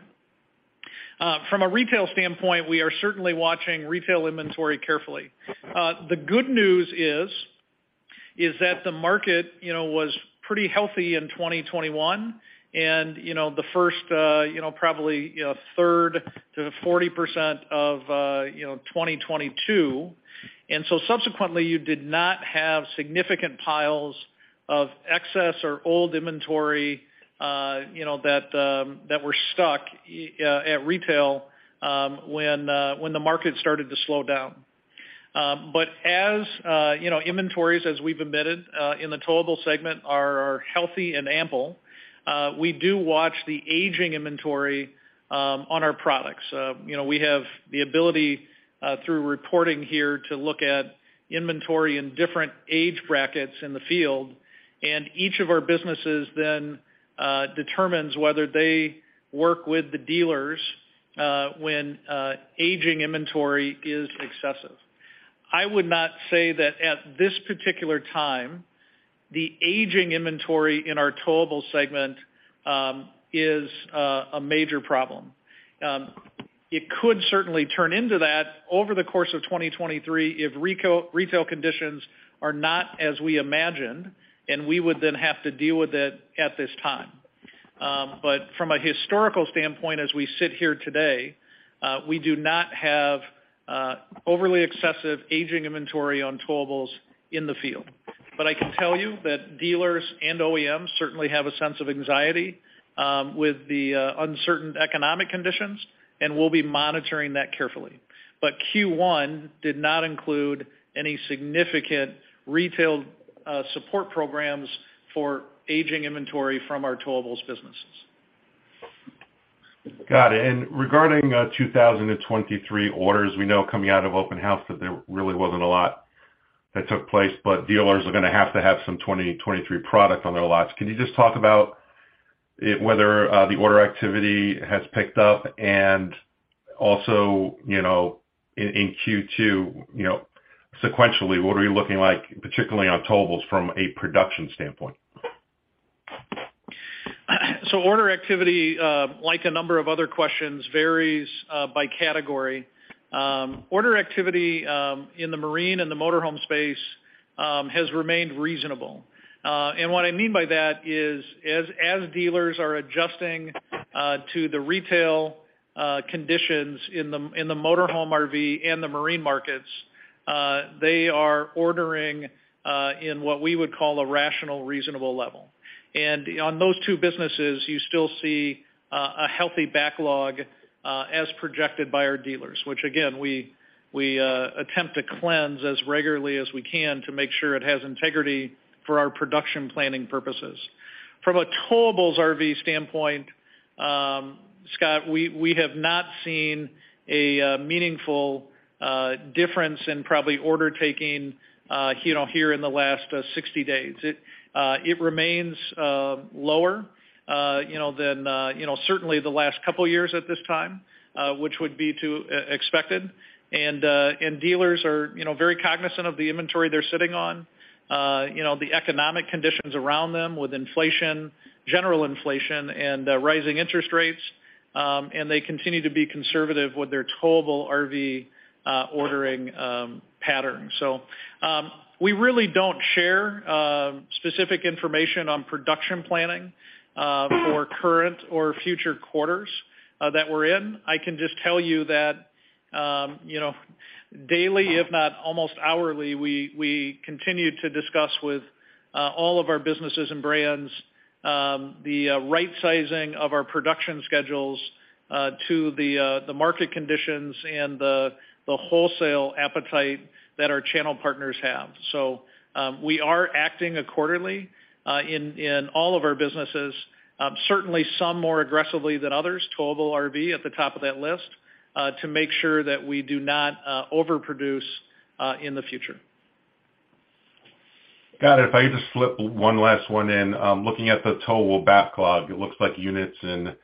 Speaker 3: From a retail standpoint, we are certainly watching retail inventory carefully. The good news is that the market, you know, was pretty healthy in 2021 and, you know, the first, you know, probably, you know, 1/3 to 40% of, you know, 2022. Subsequently, you did not have significant piles of excess or old inventory, you know, that were stuck at retail when the market started to slow down. As, you know, inventories, as we've admitted, in the towable segment are healthy and ample, we do watch the aging inventory on our products. You know, we have the ability, through reporting here to look at inventory in different age brackets in the field, and each of our businesses then determines whether they work with the dealers when aging inventory is excessive. I would not say that at this particular time, the aging inventory in our towable segment is a major problem. It could certainly turn into that over the course of 2023 if retail conditions are not as we imagined, and we would then have to deal with it at this time. From a historical standpoint as we sit here today, we do not have overly excessive aging inventory on towables in the field. I can tell you that dealers and OEMs certainly have a sense of anxiety with the uncertain economic conditions, and we'll be monitoring that carefully. First quarter did not include any significant retail support programs for aging inventory from our towables businesses.
Speaker 7: Got it. Regarding 2023 orders, we know coming out of open house that there really wasn't a lot that took place. Dealers are gonna have to have some 2023 product on their lots. Can you just talk about it, whether the order activity has picked up and also, you know, in second quarter, you know, sequentially, what are you looking like, particularly on Towables from a production standpoint?
Speaker 3: Order activity, like a number of other questions, varies by category. Order activity in the marine and the motorhome space has remained reasonable. What I mean by that is, as dealers are adjusting to the retail conditions in the motorhome RV and the marine markets, they are ordering in what we would call a rational, reasonable level. On those two businesses, you still see a healthy backlog as projected by our dealers, which again, we attempt to cleanse as regularly as we can to make sure it has integrity for our production planning purposes. From a Towables RV standpoint, Scott, we have not seen a meaningful difference in probably order-taking, you know, here in the last 60 days. It remains lower, you know, than, you know, certainly the last couple of years at this time, which would be expected. Dealers are, you know, very cognizant of the inventory they're sitting on, you know, the economic conditions around them with inflation, general inflation and rising interest rates. They continue to be conservative with their Towable RV ordering pattern. We really don't share specific information on production planning for current or future quarters that we're in. I can just tell you that, you know, daily, if not almost hourly, we continue to discuss with all of our businesses and brands, the right sizing of our production schedules to the market conditions and the wholesale appetite that our channel partners have. We are acting accordingly in all of our businesses, certainly some more aggressively than others, Towable RV at the top of that list, to make sure that we do not overproduce in the future.
Speaker 7: Got it. If I could just slip one last one in. Looking at the Towable backlog, it looks like units in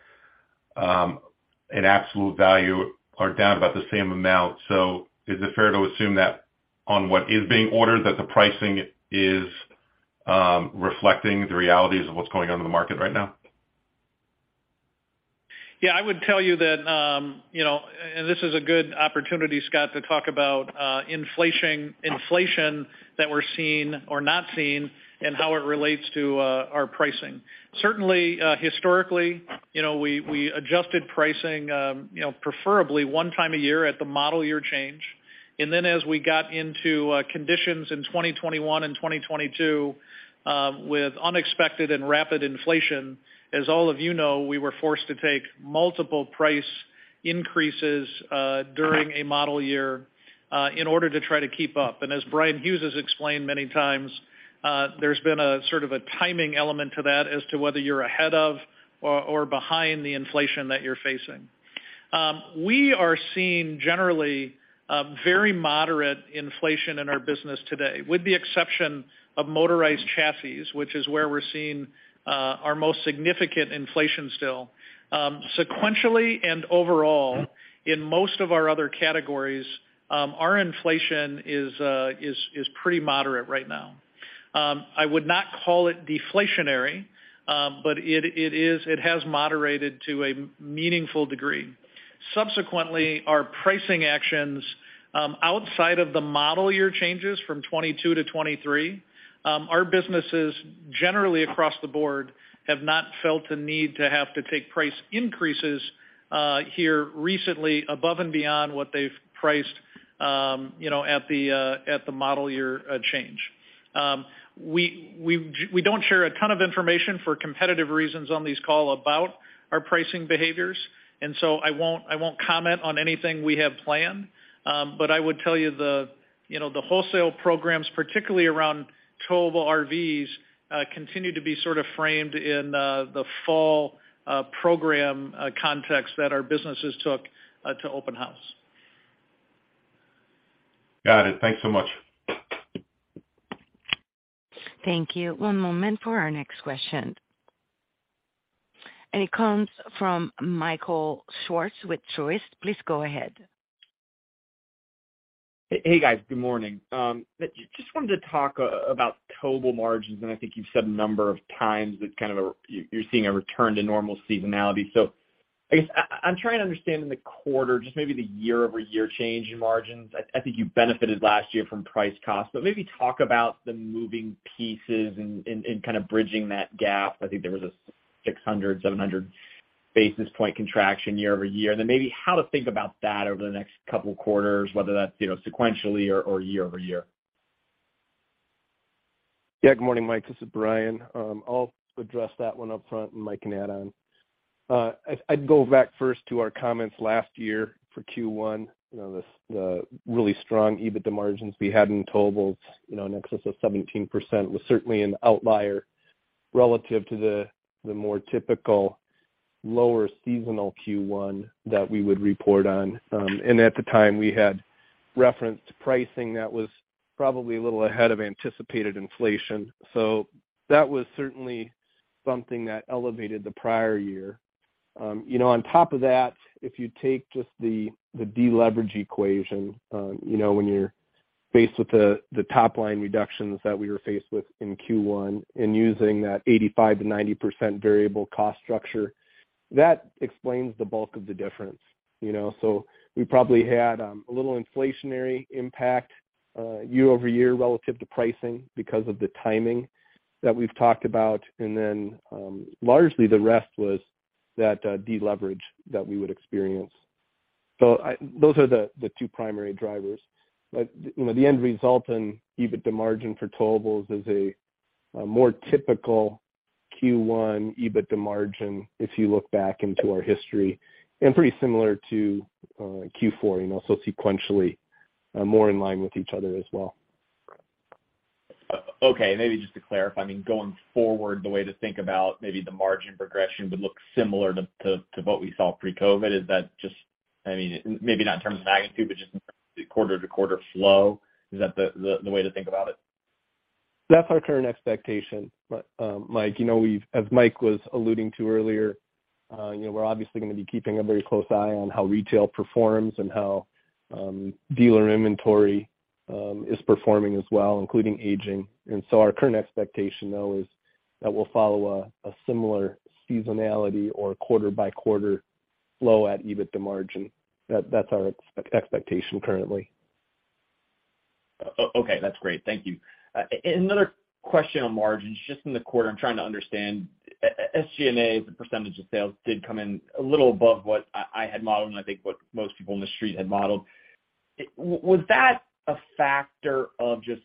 Speaker 7: an absolute value are down about the same amount. Is it fair to assume that on what is being ordered that the pricing is reflecting the realities of what's going on in the market right now?
Speaker 3: Yeah, I would tell you that, you know, this is a good opportunity, Scott, to talk about inflation that we're seeing or not seeing and how it relates to our pricing. Certainly, historically, you know, we adjusted pricing, you know, preferably one time a year at the model year change. As we got into conditions in 2021 and 2022, with unexpected and rapid inflation, as all of you know, we were forced to take multiple price increases during a model year in order to try to keep up. As Bryan Hughes has explained many times, there's been a sort of a timing element to that as to whether you're ahead of or behind the inflation that you're facing. We are seeing generally very moderate inflation in our business today. With the exception of motorized chassis, which is where we're seeing our most significant inflation still. Sequentially and overall, in most of our other categories, our inflation is pretty moderate right now. I would not call it deflationary, but it has moderated to a meaningful degree. Subsequently, our pricing actions, outside of the model year changes from 2022 to 2023, our businesses generally across the board have not felt the need to have to take price increases here recently above and beyond what they've priced, you know, at the model year change. We don't share a ton of information for competitive reasons on this call about our pricing behaviors. I won't comment on anything we have planned. I would tell you the, you know, the wholesale programs, particularly around Towable RVs, continue to be sort of framed in the fall program context that our businesses took to Open House.
Speaker 7: Got it. Thanks so much.
Speaker 1: Thank you. One moment for our next question. It comes from Michael Swartz with Truist. Please go ahead.
Speaker 8: Hey, guys. Good morning. Just wanted to talk about Towable margins. I think you've said a number of times it's kind of you're seeing a return to normal seasonality. I guess I'm trying to understand in the quarter, just maybe the year-over-year change in margins. I think you benefited last year from price cost. Maybe talk about the moving pieces and kind of bridging that gap. I think there was a 600 to 700-basis point contraction year-over-year. Maybe how to think about that over the next couple quarters, whether that's, you know, sequentially or year-over-year.
Speaker 4: Good morning, Mike. This is Bryan. I'll address that one up front, and Mike can add on. I'd go back first to our comments last year for first quarter. You know, the really strong EBITDA margins we had in towables, you know, in excess of 17%, was certainly an outlier relative to the more typical lower seasonal first quarter that we would report on. At the time, we had referenced pricing that was probably a little ahead of anticipated inflation. That was certainly something that elevated the prior year. you know, on top of that, if you take just the deleverage equation, you know, when you're faced with the top line reductions that we were faced with in first quarter and using that 85% to 90% variable cost structure, that explains the bulk of the difference, you know. We probably had, a little inflationary impact, year-over-year relative to pricing because of the timing that we've talked about. Then, largely the rest was that, deleverage that we would experience. Those are the two primary drivers. You know, the end result in EBITDA margin for Towables is a more typical first quarter EBITDA margin if you look back into our history, and pretty similar to fourth quarter, you know, so sequentially, more in line with each other as well.
Speaker 8: Okay, maybe to clarify, I mean, going forward, the way to think about maybe the margin progression would look similar to what we saw pre-COVID. Is that I mean, maybe not in terms of magnitude, but just in terms of quarter-to-quarter flow. Is that the way to think about it?
Speaker 4: That's our current expectation. Mike, you know, as Mike was alluding to earlier, you know, we're obviously gonna be keeping a very close eye on how retail performs and how dealer inventory is performing as well, including aging. Our current expectation, though, is that we'll follow a similar seasonality or quarter-by-quarter flow at EBITDA margin. That's our expectation currently.
Speaker 8: Okay, that's great. Thank you. Another question on margins, just in the quarter, I'm trying to understand. SG&A, as a percentage of sales did come in a little above what I had modeled and I think what most people on the street had modeled. Was that a factor of just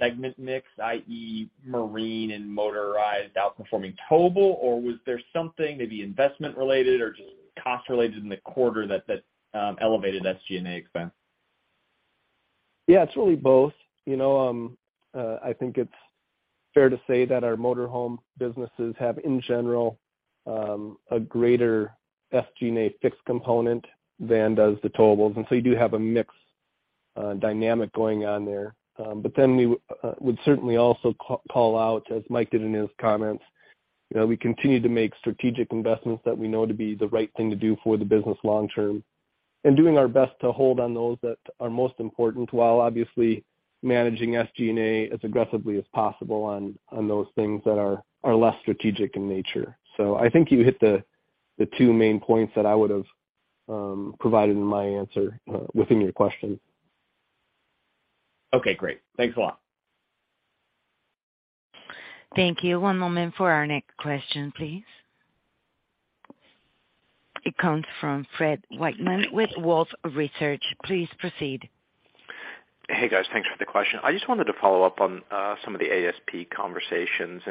Speaker 8: segment mix, i.e., marine and motorized outperforming towable? Was there something maybe investment related or just cost related in the quarter that elevated SG&A expense?
Speaker 4: Yeah, it's really both. You know, I think it's fair to say that our motorhome businesses have, in general, a greater SG&A fixed component than does the towables. You do have a mix dynamic going on there. We would certainly also call out, as Mike did in his comments. You know, we continue to make strategic investments that we know to be the right thing to do for the business long term, and doing our best to hold on those that are most important, while obviously managing SG&A as aggressively as possible on those things that are less strategic in nature. I think you hit the two main points that I would've provided in my answer within your question.
Speaker 8: Okay, great. Thanks a lot.
Speaker 1: Thank you. One moment for our next question, please. It comes from Fred Wightman with Wolfe Research. Please proceed.
Speaker 9: Hey, guys. Thanks for the question. I just wanted to follow up on some of the ASP conversations.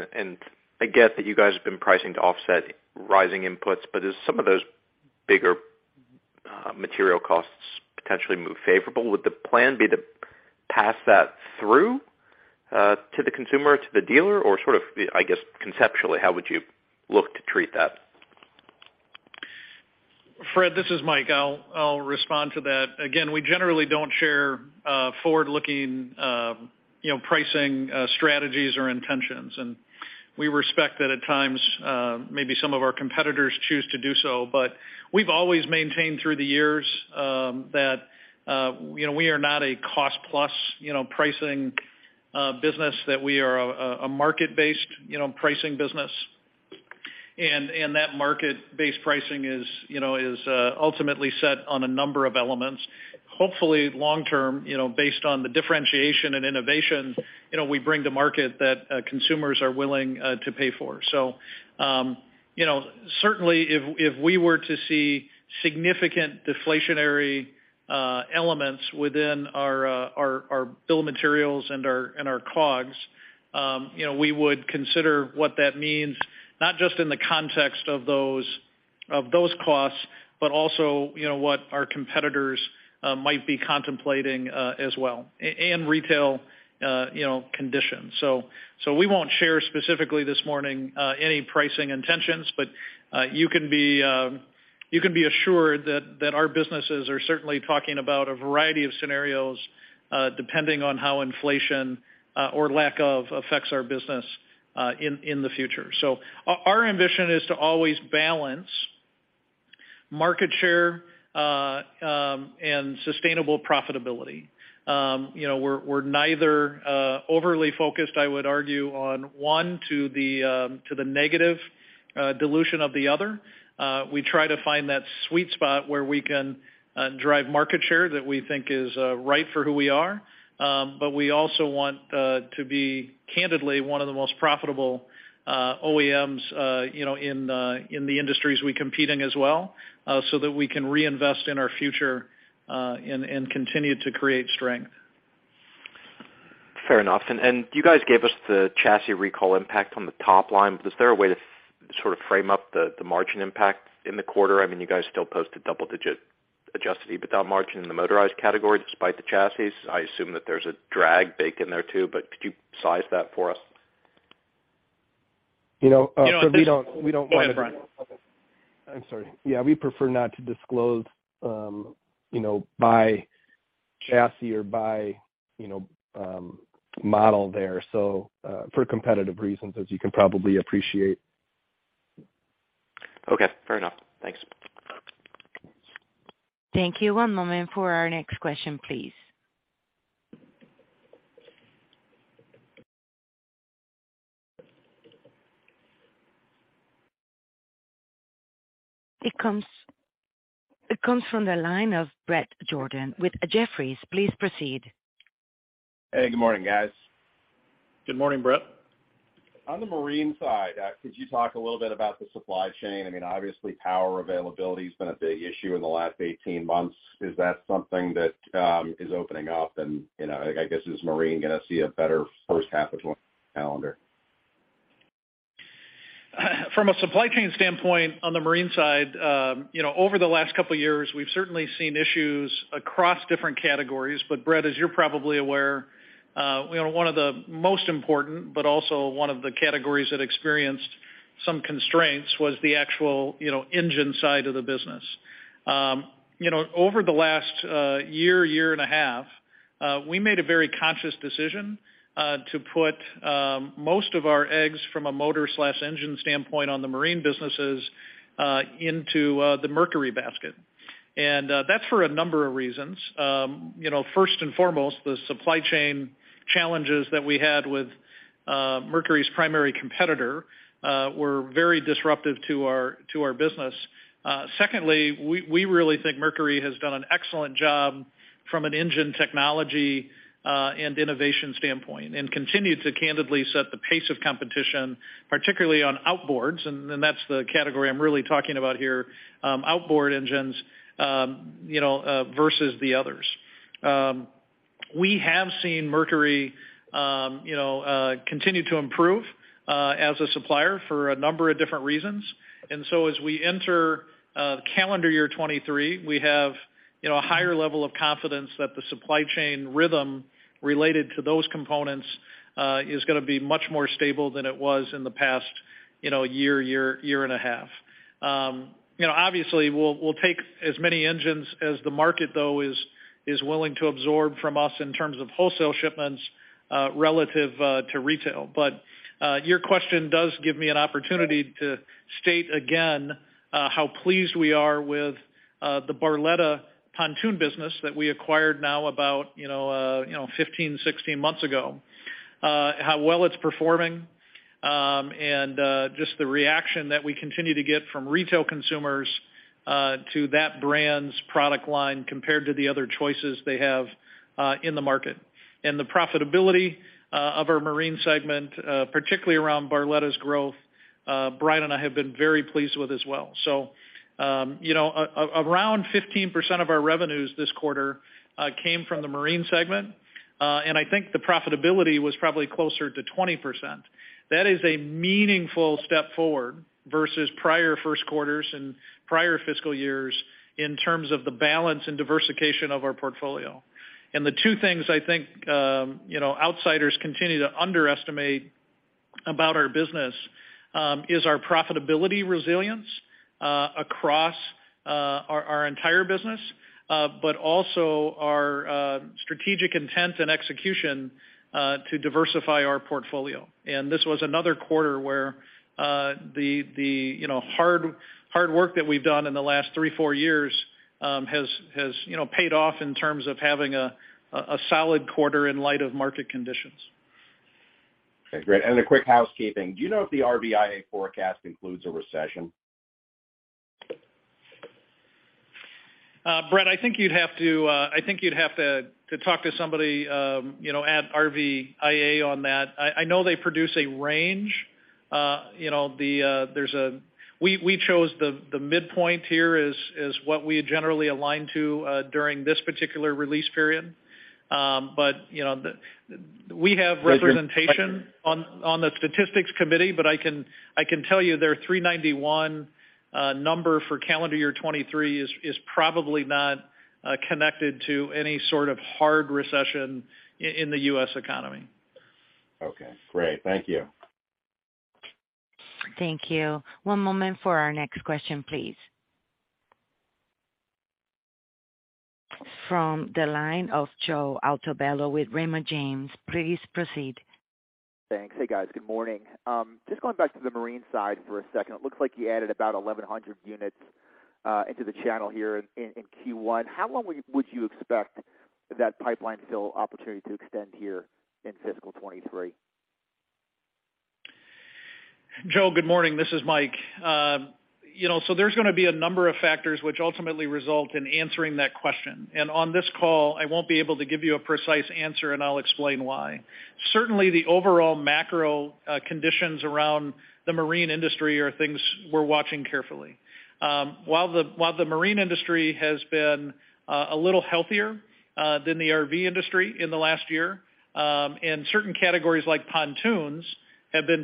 Speaker 9: I get that you guys have been pricing to offset rising inputs, but as some of those bigger material costs potentially move favorable, would the plan be to pass that through to the consumer, to the dealer? Sort of, I guess conceptually, how would you look to treat that?
Speaker 3: Fred, this is Mike. I'll respond to that. Again, we generally don't share, forward-looking, you know, pricing, strategies or intentions. We respect that at times, maybe some of our competitors choose to do so. We've always maintained through the years, that, you know, we are not a cost plus, you know, pricing, business, that we are a market-based, you know, pricing business. That market-based pricing is, you know, is ultimately set on a number of elements. Hopefully long term, you know, based on the differentiation and innovation, you know, we bring to market that consumers are willing to pay for. You know, certainly if we were to see significant deflationary elements within our, our build materials and our, and our cogs, you know, we would consider what that means, not just in the context of those, of those costs, but also, you know, what our competitors might be contemplating as well, and retail, you know, conditions. We won't share specifically this morning any pricing intentions, but you can be assured that our businesses are certainly talking about a variety of scenarios depending on how inflation or lack of affects our business in the future. Our ambition is to always balance market share and sustainable profitability. You know, we're neither overly focused, I would argue, on one to the negative dilution of the other. We try to find that sweet spot where we can drive market share that we think is right for who we are. We also want to be candidly one of the most profitable OEMs, you know, in the industries we compete in as well, so that we can reinvest in our future and continue to create strength.
Speaker 9: Fair enough. You guys gave us the chassis recall impact on the top line. Is there a way to sort of frame up the margin impact in the quarter? I mean, you guys still posted double-digit adjusted EBITDA margin in the motorized category despite the chassis. I assume that there's a drag baked in there too, but could you size that for us?
Speaker 4: You know, Fred, we don't want to...
Speaker 3: I'm sorry...
Speaker 4: We prefer not to disclose, you know, by chassis or by, you know, model there, for competitive reasons, as you can probably appreciate.
Speaker 9: Okay, fair enough. Thanks.
Speaker 1: Thank you. One moment for our next question, please. It comes from the line of Bret Jordan with Jefferies. Please proceed.
Speaker 10: Hey, good morning, guys.
Speaker 3: Good morning, Bret.
Speaker 10: On the marine side, could you talk a little bit about the supply chain? I mean, obviously, power availability has been a big issue in the last 18 months. Is that something that is opening up? You know, I guess is marine gonna see a better first half of calendar?
Speaker 3: From a supply chain standpoint on the marine side, you know, over the last couple of years, we've certainly seen issues across different categories. Bret, as you're probably aware, you know, one of the most important but also one of the categories that experienced some constraints was the actual, you know, engine side of the business. You know, over the last year and a half, we made a very conscious decision to put most of our eggs from a motor/engine standpoint on the marine businesses into the Mercury basket. That's for a number of reasons. You know, first and foremost, the supply chain challenges that we had with Mercury's primary competitor were very disruptive to our business. Secondly, we really think Mercury has done an excellent job from an engine technology, and innovation standpoint, continued to candidly set the pace of competition, particularly on outboards, that's the category I'm really talking about here, you know, outboard engines, versus the others. We have seen Mercury, you know, continue to improve as a supplier for a number of different reasons. As we enter calendar year 2023, we have, you know, a higher level of confidence that the supply chain rhythm related to those components is gonna be much more stable than it was in the past, you know, year and a half. you know, obviously we'll take as many engines as the market though is willing to absorb from us in terms of wholesale shipments, relative to retail. Your question does give me an opportunity to state again, how pleased we are with the Barletta pontoon business that we acquired now about, you know, you know, 15, 16 months ago. how well it's performing, and just the reaction that we continue to get from retail consumers to that brand's product line compared to the other choices they have in the market. The profitability of our marine segment, particularly around Barletta's growth, Bryan and I have been very pleased with as well. you know, around 15% of our revenues this quarter came from the marine segment. I think the profitability was probably closer to 20%. That is a meaningful step forward versus prior first quarters and prior fiscal years in terms of the balance and diversification of our portfolio. The two things I think, you know, outsiders continue to underestimate about our business, is our profitability resilience across our entire business, but also our strategic intent and execution to diversify our portfolio. This was another quarter where the, you know, hard work that we've done in the last three, four years, has, you know, paid off in terms of having a solid quarter in light of market conditions.
Speaker 10: Okay, great. A quick housekeeping. Do you know if the RVIA forecast includes a recession?
Speaker 3: Bret, I think you'd have to talk to somebody, you know, at RVIA on that. I know they produce a range. You know, we chose the midpoint here as what we generally align to during this particular release period. You know, we have representation on the statistics committee, but I can tell you their 391 number for calendar year 2023 is probably not connected to any sort of hard recession in the US economy.
Speaker 10: Okay, great. Thank you.
Speaker 1: Thank you. One moment for our next question, please. From the line of Joe Altobello with Raymond James. Please proceed.
Speaker 11: Thanks. Hey, guys. Good morning. Just going back to the marine side for a second. It looks like you added about 1,100 units into the channel here in first quarter. How long would you expect that pipeline fill opportunity to extend here in fiscal 2023?
Speaker 3: Joe, good morning. This is Mike. You know, there's gonna be a number of factors which ultimately result in answering that question. On this call, I won't be able to give you a precise answer, and I'll explain why. Certainly, the overall macro conditions around the marine industry are things we're watching carefully. While the marine industry has been a little healthier than the RV industry in the last year, and certain categories like pontoons have been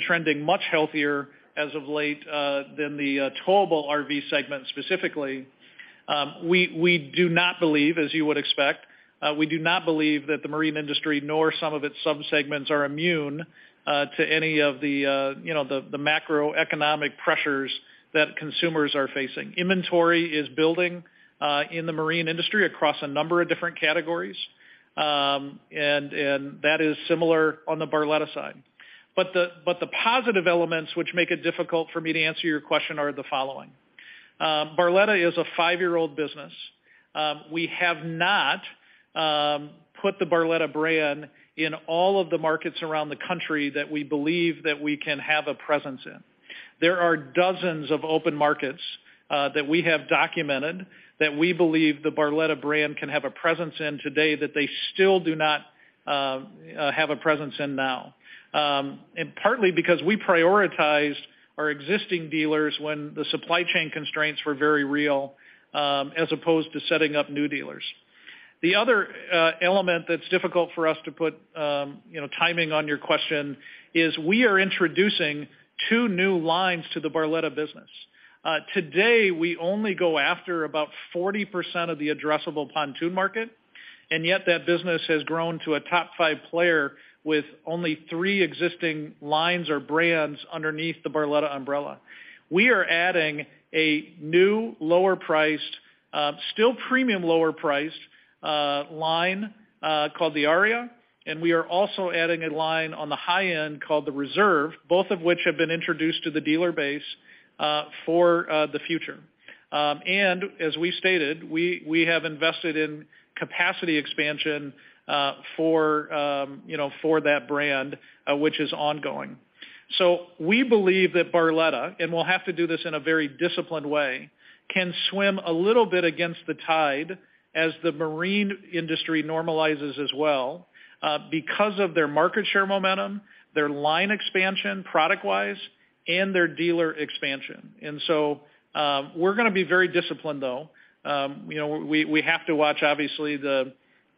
Speaker 3: trending much healthier as of late than the towable RV segment specifically. We do not believe, as you would expect, we do not believe that the marine industry, nor some of its subsegments are immune to any of the, you know, the macroeconomic pressures that consumers are facing. Inventory is building in the marine industry across a number of different categories, and that is similar on the Barletta side. The positive elements which make it difficult for me to answer your question are the following. Barletta is a five-year-old business. We have not put the Barletta brand in all of the markets around the country that we believe that we can have a presence in. There are dozens of open markets that we have documented that we believe the Barletta brand can have a presence in today that they still do not have a presence in now. Partly because we prioritized our existing dealers when the supply chain constraints were very real, as opposed to setting up new dealers. The other element that's difficult for us to put, you know, timing on your question is we are introducing two new lines to the Barletta business. Today, we only go after about 40% of the addressable pontoon market, and yet that business has grown to a top five player with only three existing lines or brands underneath the Barletta umbrella. We are adding a new lower priced, still premium lower priced, line called the Aria, and we are also adding a line on the high end called the Reserve, both of which have been introduced to the dealer base for the future. And as we stated, we have invested in capacity expansion for, you know, for that brand, which is ongoing. We believe that Barletta, and we'll have to do this in a very disciplined way, can swim a little bit against the tide as the marine industry normalizes as well, because of their market share momentum, their line expansion product-wise, and their dealer expansion. We're gonna be very disciplined, though. You know, we have to watch obviously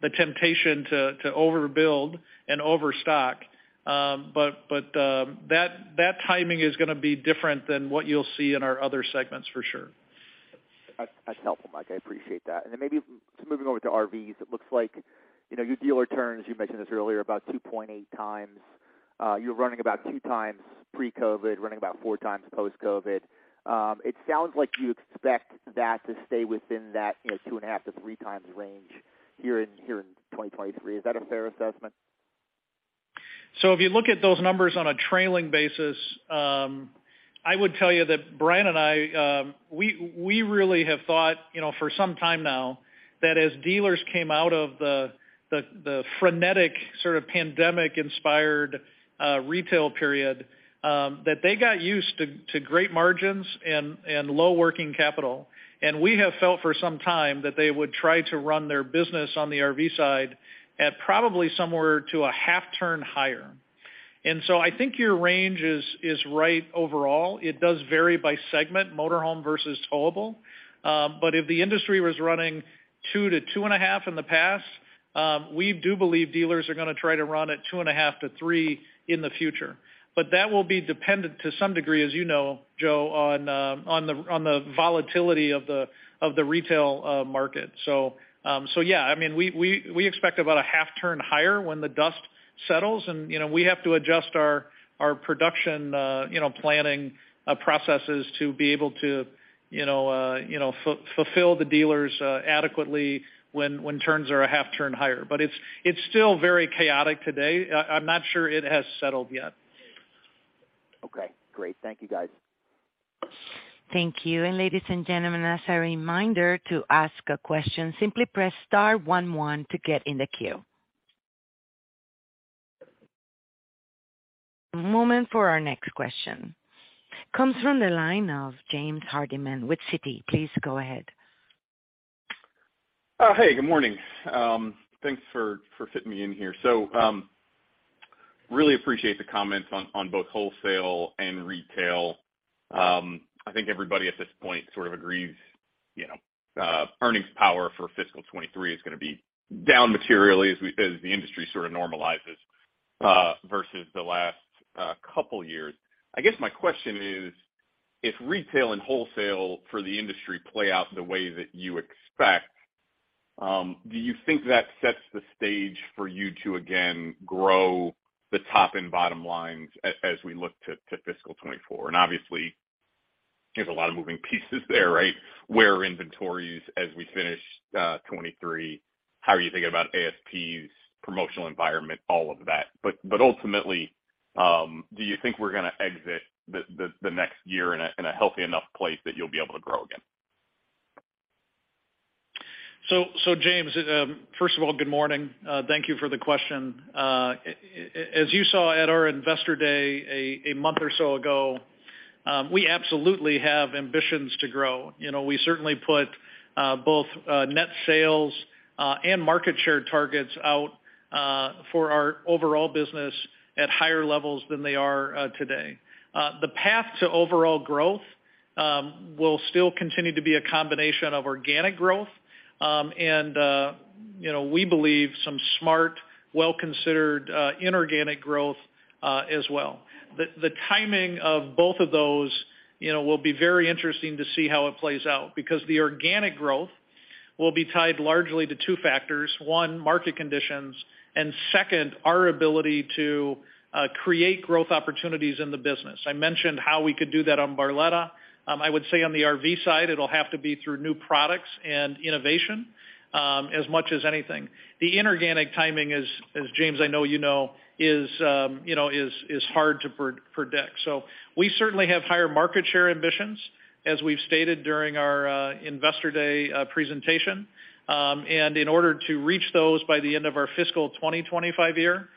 Speaker 3: the temptation to overbuild and overstock, but that timing is gonna be different than what you'll see in our other segments for sure.
Speaker 11: That's helpful, Mike. I appreciate that. Then maybe moving over to RVs, it looks like, you know, your dealer turns, you mentioned this earlier, about 2.8x. You're running about 2x pre-COVID, running about 4x post-COVID. It sounds like you expect that to stay within that, you know, 2.5x to 3x range here in 2023. Is that a fair assessment?
Speaker 3: If you look at those numbers on a trailing basis, I would tell you that Bryan and I, we really have thought, you know, for some time now that as dealers came out of the frenetic sort of pandemic-inspired retail period, that they got used to great margins and low working capital. We have felt for some time that they would try to run their business on the RV side at probably somewhere to a half turn higher. I think your range is right overall. It does vary by segment, motorhome versus towable. If the industry was running 2x to 2.5x in the past, we do believe dealers are gonna try to run at 2.5x to 3x in the future. That will be dependent to some degree, as you know, Joe, on the volatility of the retail market. Yeah, I mean, we expect about a half turn higher when the dust settles and, you know, we have to adjust our production, you know, planning processes to be able to, you know, fulfill the dealers adequately when turns are a half turn higher. It's still very chaotic today. I'm not sure it has settled yet.
Speaker 11: Okay, great. Thank you, guys.
Speaker 1: Thank you. Ladies and gentlemen, as a reminder to ask a question, simply press star one, one to get in the queue. A moment for our next question. Comes from the line of James Hardiman with Citi. Please go ahead.
Speaker 12: Hey, good morning. Thanks for fitting me in here. Really appreciate the comments on both wholesale and retail. I think everybody at this point sort of agrees, you know, earnings power for fiscal 2023 is gonna be down materially as the industry sort of normalizes versus the last couple years. I guess my question is, if retail and wholesale for the industry play out the way that you expect, do you think that sets the stage for you to again grow the top and bottom lines as we look to fiscal 2024? Obviously, there's a lot of moving pieces there, right? Where are inventories as we finish 2023? How are you thinking about ASPs, promotional environment, all of that. Ultimately, do you think we're gonna exit the next year in a healthy enough place that you'll be able to grow again?
Speaker 3: James, first of all, good morning. Thank you for the question. As you saw at our Investor Day a month or so ago, we absolutely have ambitions to grow. You know, we certainly put both net sales and market share targets out for our overall business at higher levels than they are today. The path to overall growth will still continue to be a combination of organic growth and, you know, we believe some smart, well-considered inorganic growth as well. The timing of both of those, you know, will be very interesting to see how it plays out because the organic growth will be tied largely to two factors. One, market conditions, and second, our ability to create growth opportunities in the business. I mentioned how we could do that on Barletta. I would say on the RV side, it'll have to be through new products and innovation, as much as anything. The inorganic timing is James, I know you know, is hard to predict. We certainly have higher market share ambitions, as we've stated during our investor day presentation. In order to reach those by the end of our fiscal 2025 year,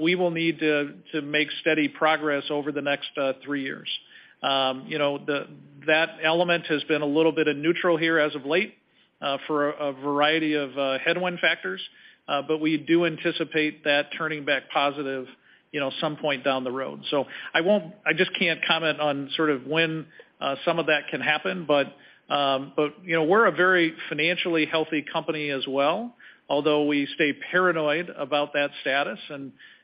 Speaker 3: we will need to make steady progress over the next three years. You know that element has been a little bit of neutral here as of late, for a variety of headwind factors, but we do anticipate that turning back positive, you know, some point down the road. I just can't comment on sort of when some of that can happen. You know, we're a very financially healthy company as well, although we stay paranoid about that status.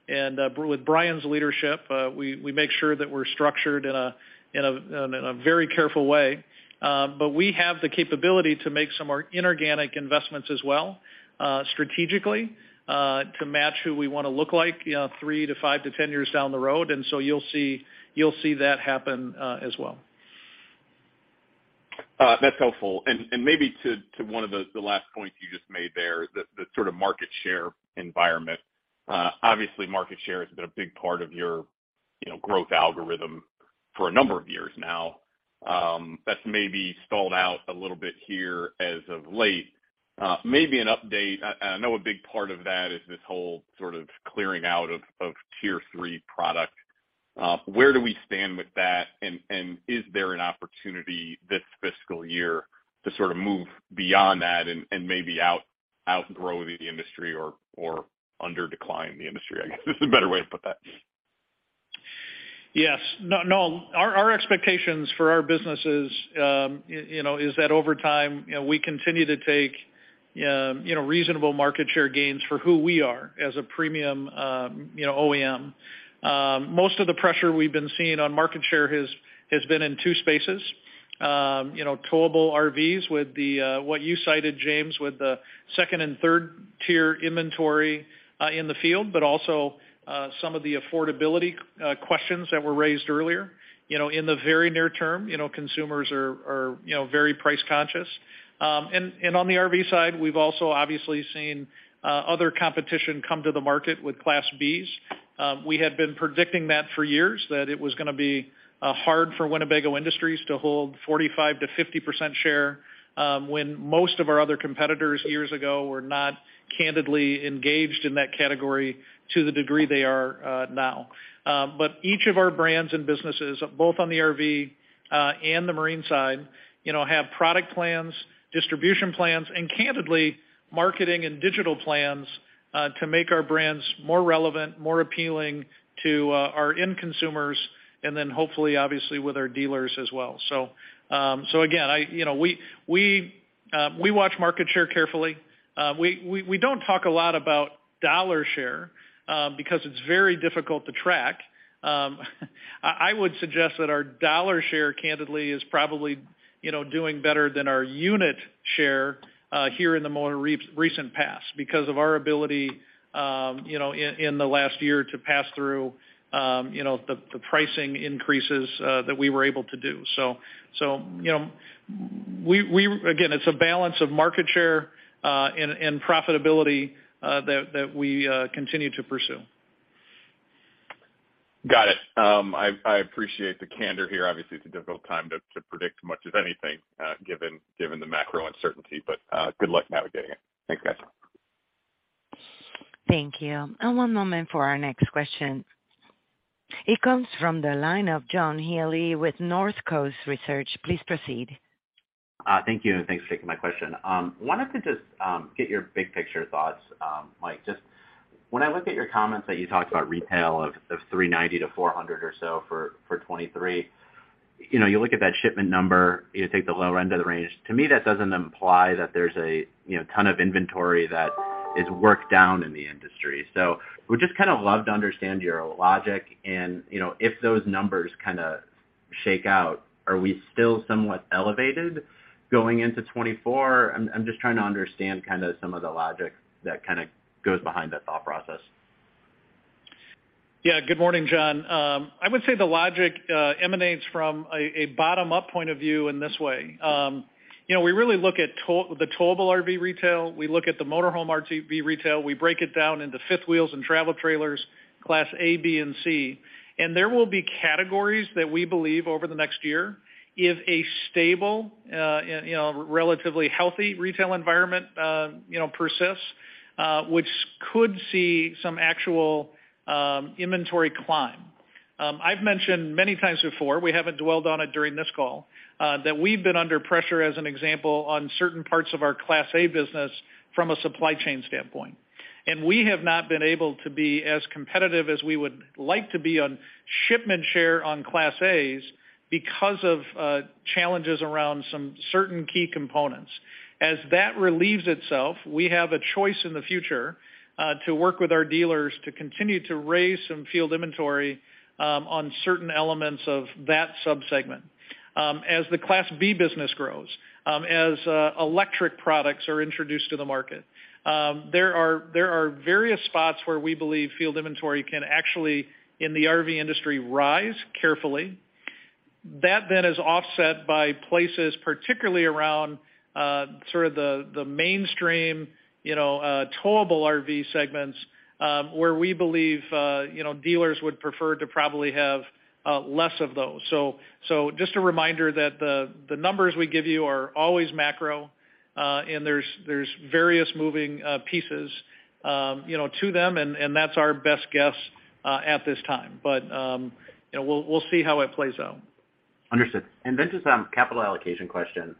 Speaker 3: With Bryan's leadership, we make sure that we're structured in a very careful way. We have the capability to make some more inorganic investments as well, strategically, to match who we wanna look like, you know, three to five to 10 years down the road. You'll see that happen as well.
Speaker 12: That's helpful. Maybe to one of the last points, you just made there, the sort of market share environment. Obviously, market share has been a big part of your, you know, growth algorithm for a number of years now. That's maybe stalled out a little bit here as of late. Maybe an update. I know a big part of that is this whole sort of clearing out of tier three product. Where do we stand with that? Is there an opportunity this fiscal year to sort of move beyond that and maybe outgrow the industry or under decline the industry? I guess this is a better way to put that.
Speaker 3: Yes. No, no. Our expectations for our businesses, you know, is that over time, you know, we continue to take, you know, reasonable market share gains for who we are as a premium, you know, OEM. Most of the pressure we've been seeing on market share has been in two spaces. You know, towable RVs with what you cited, James, with the second and third-tier inventory in the field, but also some of the affordability questions that were raised earlier. You know, in the very near term, you know, consumers are, you know, very price conscious. And on the RV side, we've also obviously seen other competition come to the market with Class Bs. We had been predicting that for years that it was gonna be hard for Winnebago Industries to hold 45% to 50% share when most of our other competitors years ago were not candidly engaged in that category to the degree they are now. Each of our brands and businesses, both on the RV and the marine side, you know, have product plans, distribution plans, and candidly, marketing and digital plans to make our brands more relevant, more appealing to our end consumers, and then hopefully, obviously, with our dealers as well. Again, you know, we watch market share carefully. We don't talk a lot about dollar share because it's very difficult to track. I would suggest that our dollar share, candidly, is probably, you know, doing better than our unit share here in the more recent past because of our ability, you know, in the last year to pass through, you know, the pricing increases that we were able to do. You know, again, it's a balance of market share and profitability that we continue to pursue.
Speaker 12: Got it. I appreciate the candor here. Obviously, it's a difficult time to predict much of anything, given the macro uncertainty, but good luck navigating it. Thanks, guys.
Speaker 1: Thank you. One moment for our next question. It comes from the line of John Healy with Northcoast Research. Please proceed.
Speaker 13: Thank you, and thanks for taking my question. Wanted to just get your big-picture thoughts, Mike, just when I look at your comments that you talked about retail of 390 to 400 or so for 2023. You know, you look at that shipment number, you take the low end of the range. To me, that doesn't imply that there's a, you know, ton of inventory that is worked down in the industry. Would just kind of love to understand your logic and, you know, if those numbers kinda shake out, are we still somewhat elevated going into 2024? I'm just trying to understand kind of some of the logic that kinda goes behind that thought process.
Speaker 3: Yeah. Good morning, John. I would say the logic emanates from a bottom-up point of view in this way. You know, we really look at the towable RV retail, we look at the motorhome RV retail, we break it down into fifth wheels and travel trailers, Class A, B, and C. There will be categories that we believe over the next year if a stable, you know, relatively healthy retail environment, you know, persists, which could see some actual inventory climb. I've mentioned many times before, we haven't dwelled on it during this call, that we've been under pressure, as an example, on certain parts of our Class A business from a supply chain standpoint. We have not been able to be as competitive as we would like to be on shipment share on Class A because of challenges around some certain key components. As that relieves itself, we have a choice in the future to work with our dealers to continue to raise some field inventory on certain elements of that subsegment. As the Class B business grows, as electric products are introduced to the market, there are various spots where we believe field inventory can actually, in the RV industry, rise carefully. That then is offset by places particularly around sort of the mainstream, you know, towable RV segments where we believe, you know, dealers would prefer to probably have less of those. Just a reminder that the numbers we give you are always macro, and there's various moving pieces, you know, to them and that's our best guess at this time. You know, we'll see how it plays out.
Speaker 13: Understood. Just capital allocation question.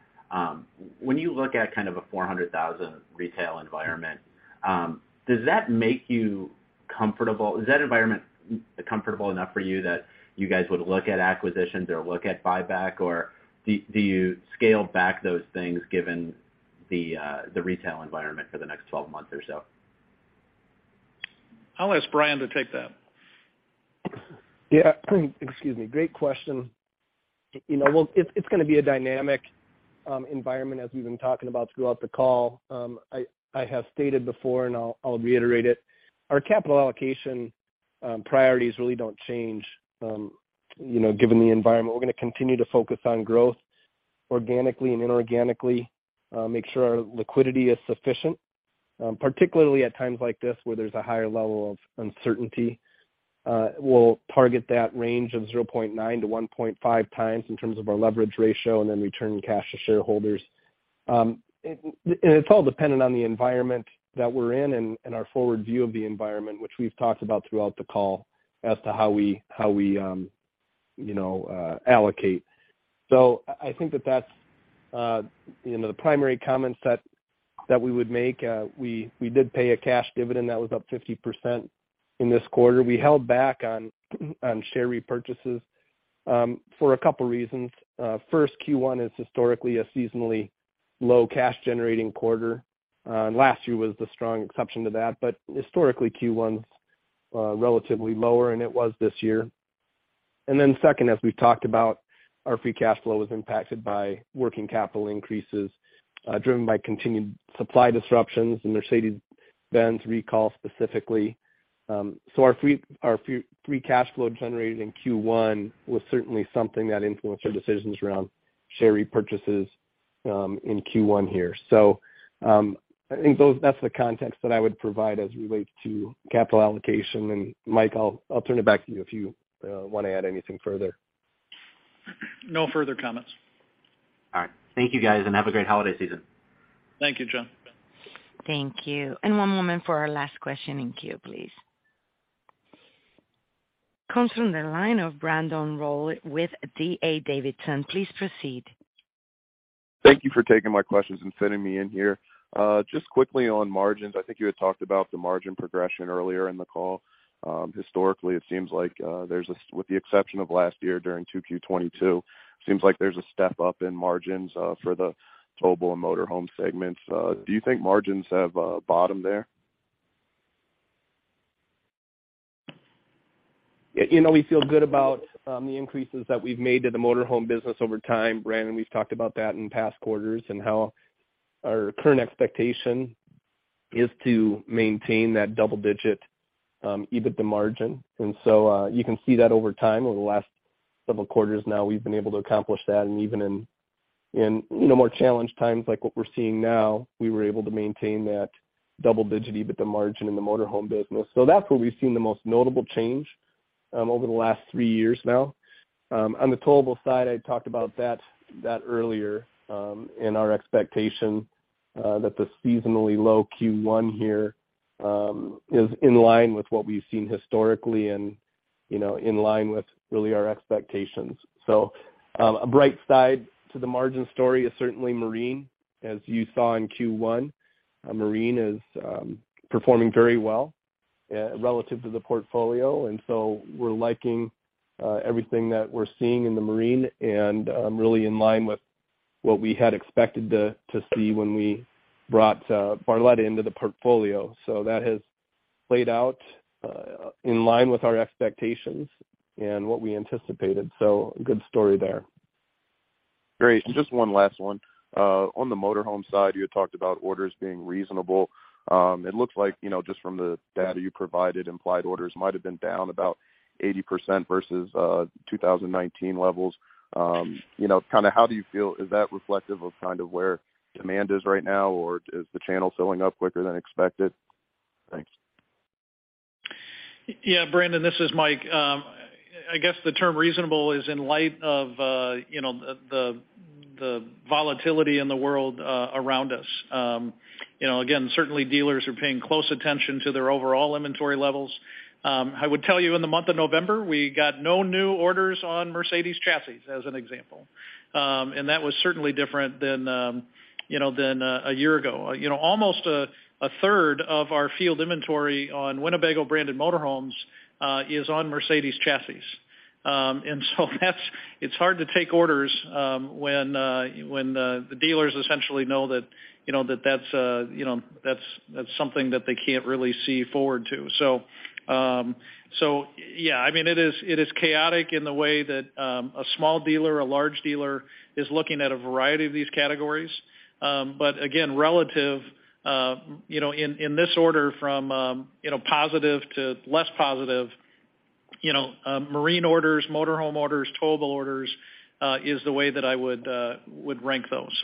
Speaker 13: When you look at kind of a 400,000 retail environment, does that make you comfortable? Is that environment comfortable enough for you that you guys would look at acquisitions or look at buyback, or do you scale back those things given the retail environment for the next 12 months or so?
Speaker 3: I'll ask Bryan to take that.
Speaker 4: Yeah. Excuse me. Great question. You know, it's gonna be a dynamic environment as we've been talking about throughout the call. I have stated before and I'll reiterate it, our capital allocation priorities really don't change, you know, given the environment. We're gonna continue to focus on growth organically and inorganically, make sure our liquidity is sufficient, particularly at times like this where there's a higher level of uncertainty. We'll target that range of 0.9x to 1.5x in terms of our leverage ratio and then return cash to shareholders. It's all dependent on the environment that we're in and our forward view of the environment, which we've talked about throughout the call, as to how we, how we, you know, allocate. I think that's, you know, the primary comments that we would make. We did pay a cash dividend that was up 50% in this quarter. We held back on share repurchases for a couple reasons. First, first quarter is historically a seasonally low cash-generating quarter. Last year was the strong exception to that. Historically, first quarter's relatively lower, and it was this year. Second, as we've talked about, our free cash flow was impacted by working capital increases, driven by continued supply disruptions, the Mercedes-Benz recall specifically. Our free cash flow generated in first quarter was certainly something that influenced our decisions around share repurchases in first quarter here. I think that's the context that I would provide as it relates to capital allocation. Mike, I'll turn it back to you if you wanna add anything further.
Speaker 3: No further comments.
Speaker 13: All right. Thank you, guys, and have a great holiday season.
Speaker 3: Thank you, John.
Speaker 1: Thank you. One moment for our last question in queue, please. Comes from the line of Brandon Rollé with D.A. Davidson. Please proceed.
Speaker 14: Thank you for taking my questions and sending me in here. Just quickly on margins, I think you had talked about the margin progression earlier in the call. Historically, it seems like there's a with the exception of last year during second quarter 2022, seems like there's a step up in margins for the towable and motorhome segments. Do you think margins have bottomed there?
Speaker 4: You know, we feel good about the increases that we've made to the motor home business over time, Brandon. We've talked about that in past quarters and how our current expectation is to maintain that double-digit EBITDA margin. You can see that over time. Over the last several quarters now, we've been able to accomplish that. Even in, you know, more challenged times like what we're seeing now, we were able to maintain that double-digit EBITDA margin in the motor home business. That's where we've seen the most notable change over the last three years now. On the towable side, I talked about that earlier, and our expectation that the seasonally low first quarter here is in line with what we've seen historically and, you know, in line with really our expectations. A bright side to the margin story is certainly marine. As you saw in first quarter, marine is performing very well relative to the portfolio. We're liking everything that we're seeing in the marine and really in line with what we had expected to see when we brought Barletta into the portfolio. That has played out in line with our expectations and what we anticipated. Good story there.
Speaker 14: Great. Just one last one. On the motor home side, you had talked about orders being reasonable. It looks like, you know, just from the data you provided, implied orders might have been down about 80% versus 2019 levels. You know, kind of how do you feel? Is that reflective of kind of where demand is right now, or is the channel filling up quicker than expected? Thanks.
Speaker 3: Yeah, Brandon, this is Mike. I guess the term reasonable is in light of, you know, the volatility in the world around us. You know, again, certainly dealers are paying close attention to their overall inventory levels. I would tell you, in the month of November, we got no new orders on Mercedes chassis, as an example. That was certainly different than, you know, than a year ago. You know, almost 1/3 of our field inventory on Winnebago-branded motor homes is on Mercedes chassis. It's hard to take orders, when the dealers essentially know that, you know, that's something that they can't really see forward to. Yeah, I mean, it is, it is chaotic in the way that a small dealer or a large dealer is looking at a variety of these categories. Again, relative, you know, in this order from, you know, positive to less positive, you know, marine orders, motor home orders, towable orders, is the way that I would rank those.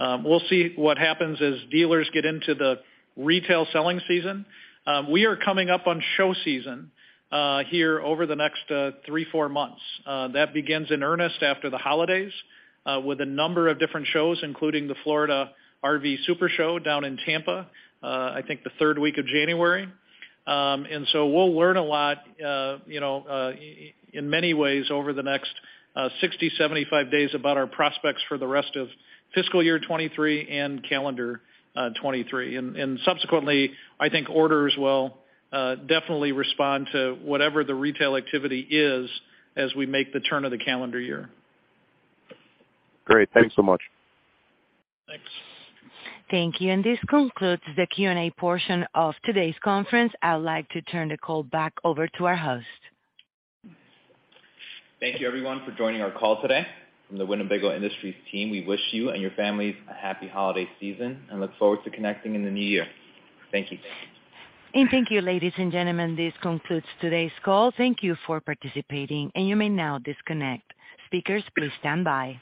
Speaker 3: We'll see what happens as dealers get into the retail selling season. We are coming up on show season here over the next three, four months. That begins in earnest after the holidays with a number of different shows, including the Florida RV SuperShow down in Tampa, I think the third week of January. We'll learn a lot, you know, in many ways over the next 60, 75 days about our prospects for the rest of fiscal year 2023 and calendar 2023. Subsequently, I think orders will definitely respond to whatever the retail activity is as we make the turn of the calendar year.
Speaker 14: Great. Thanks so much.
Speaker 3: Thanks.
Speaker 1: Thank you. This concludes the Q&A portion of today's conference. I would like to turn the call back over to our host.
Speaker 2: Thank you, everyone, for joining our call today. From the Winnebago Industries team, we wish you and your families a happy holiday season and look forward to connecting in the new year. Thank you.
Speaker 1: Thank you, ladies and gentlemen. This concludes today's call. Thank you for participating, and you may now disconnect. Speakers, please stand by.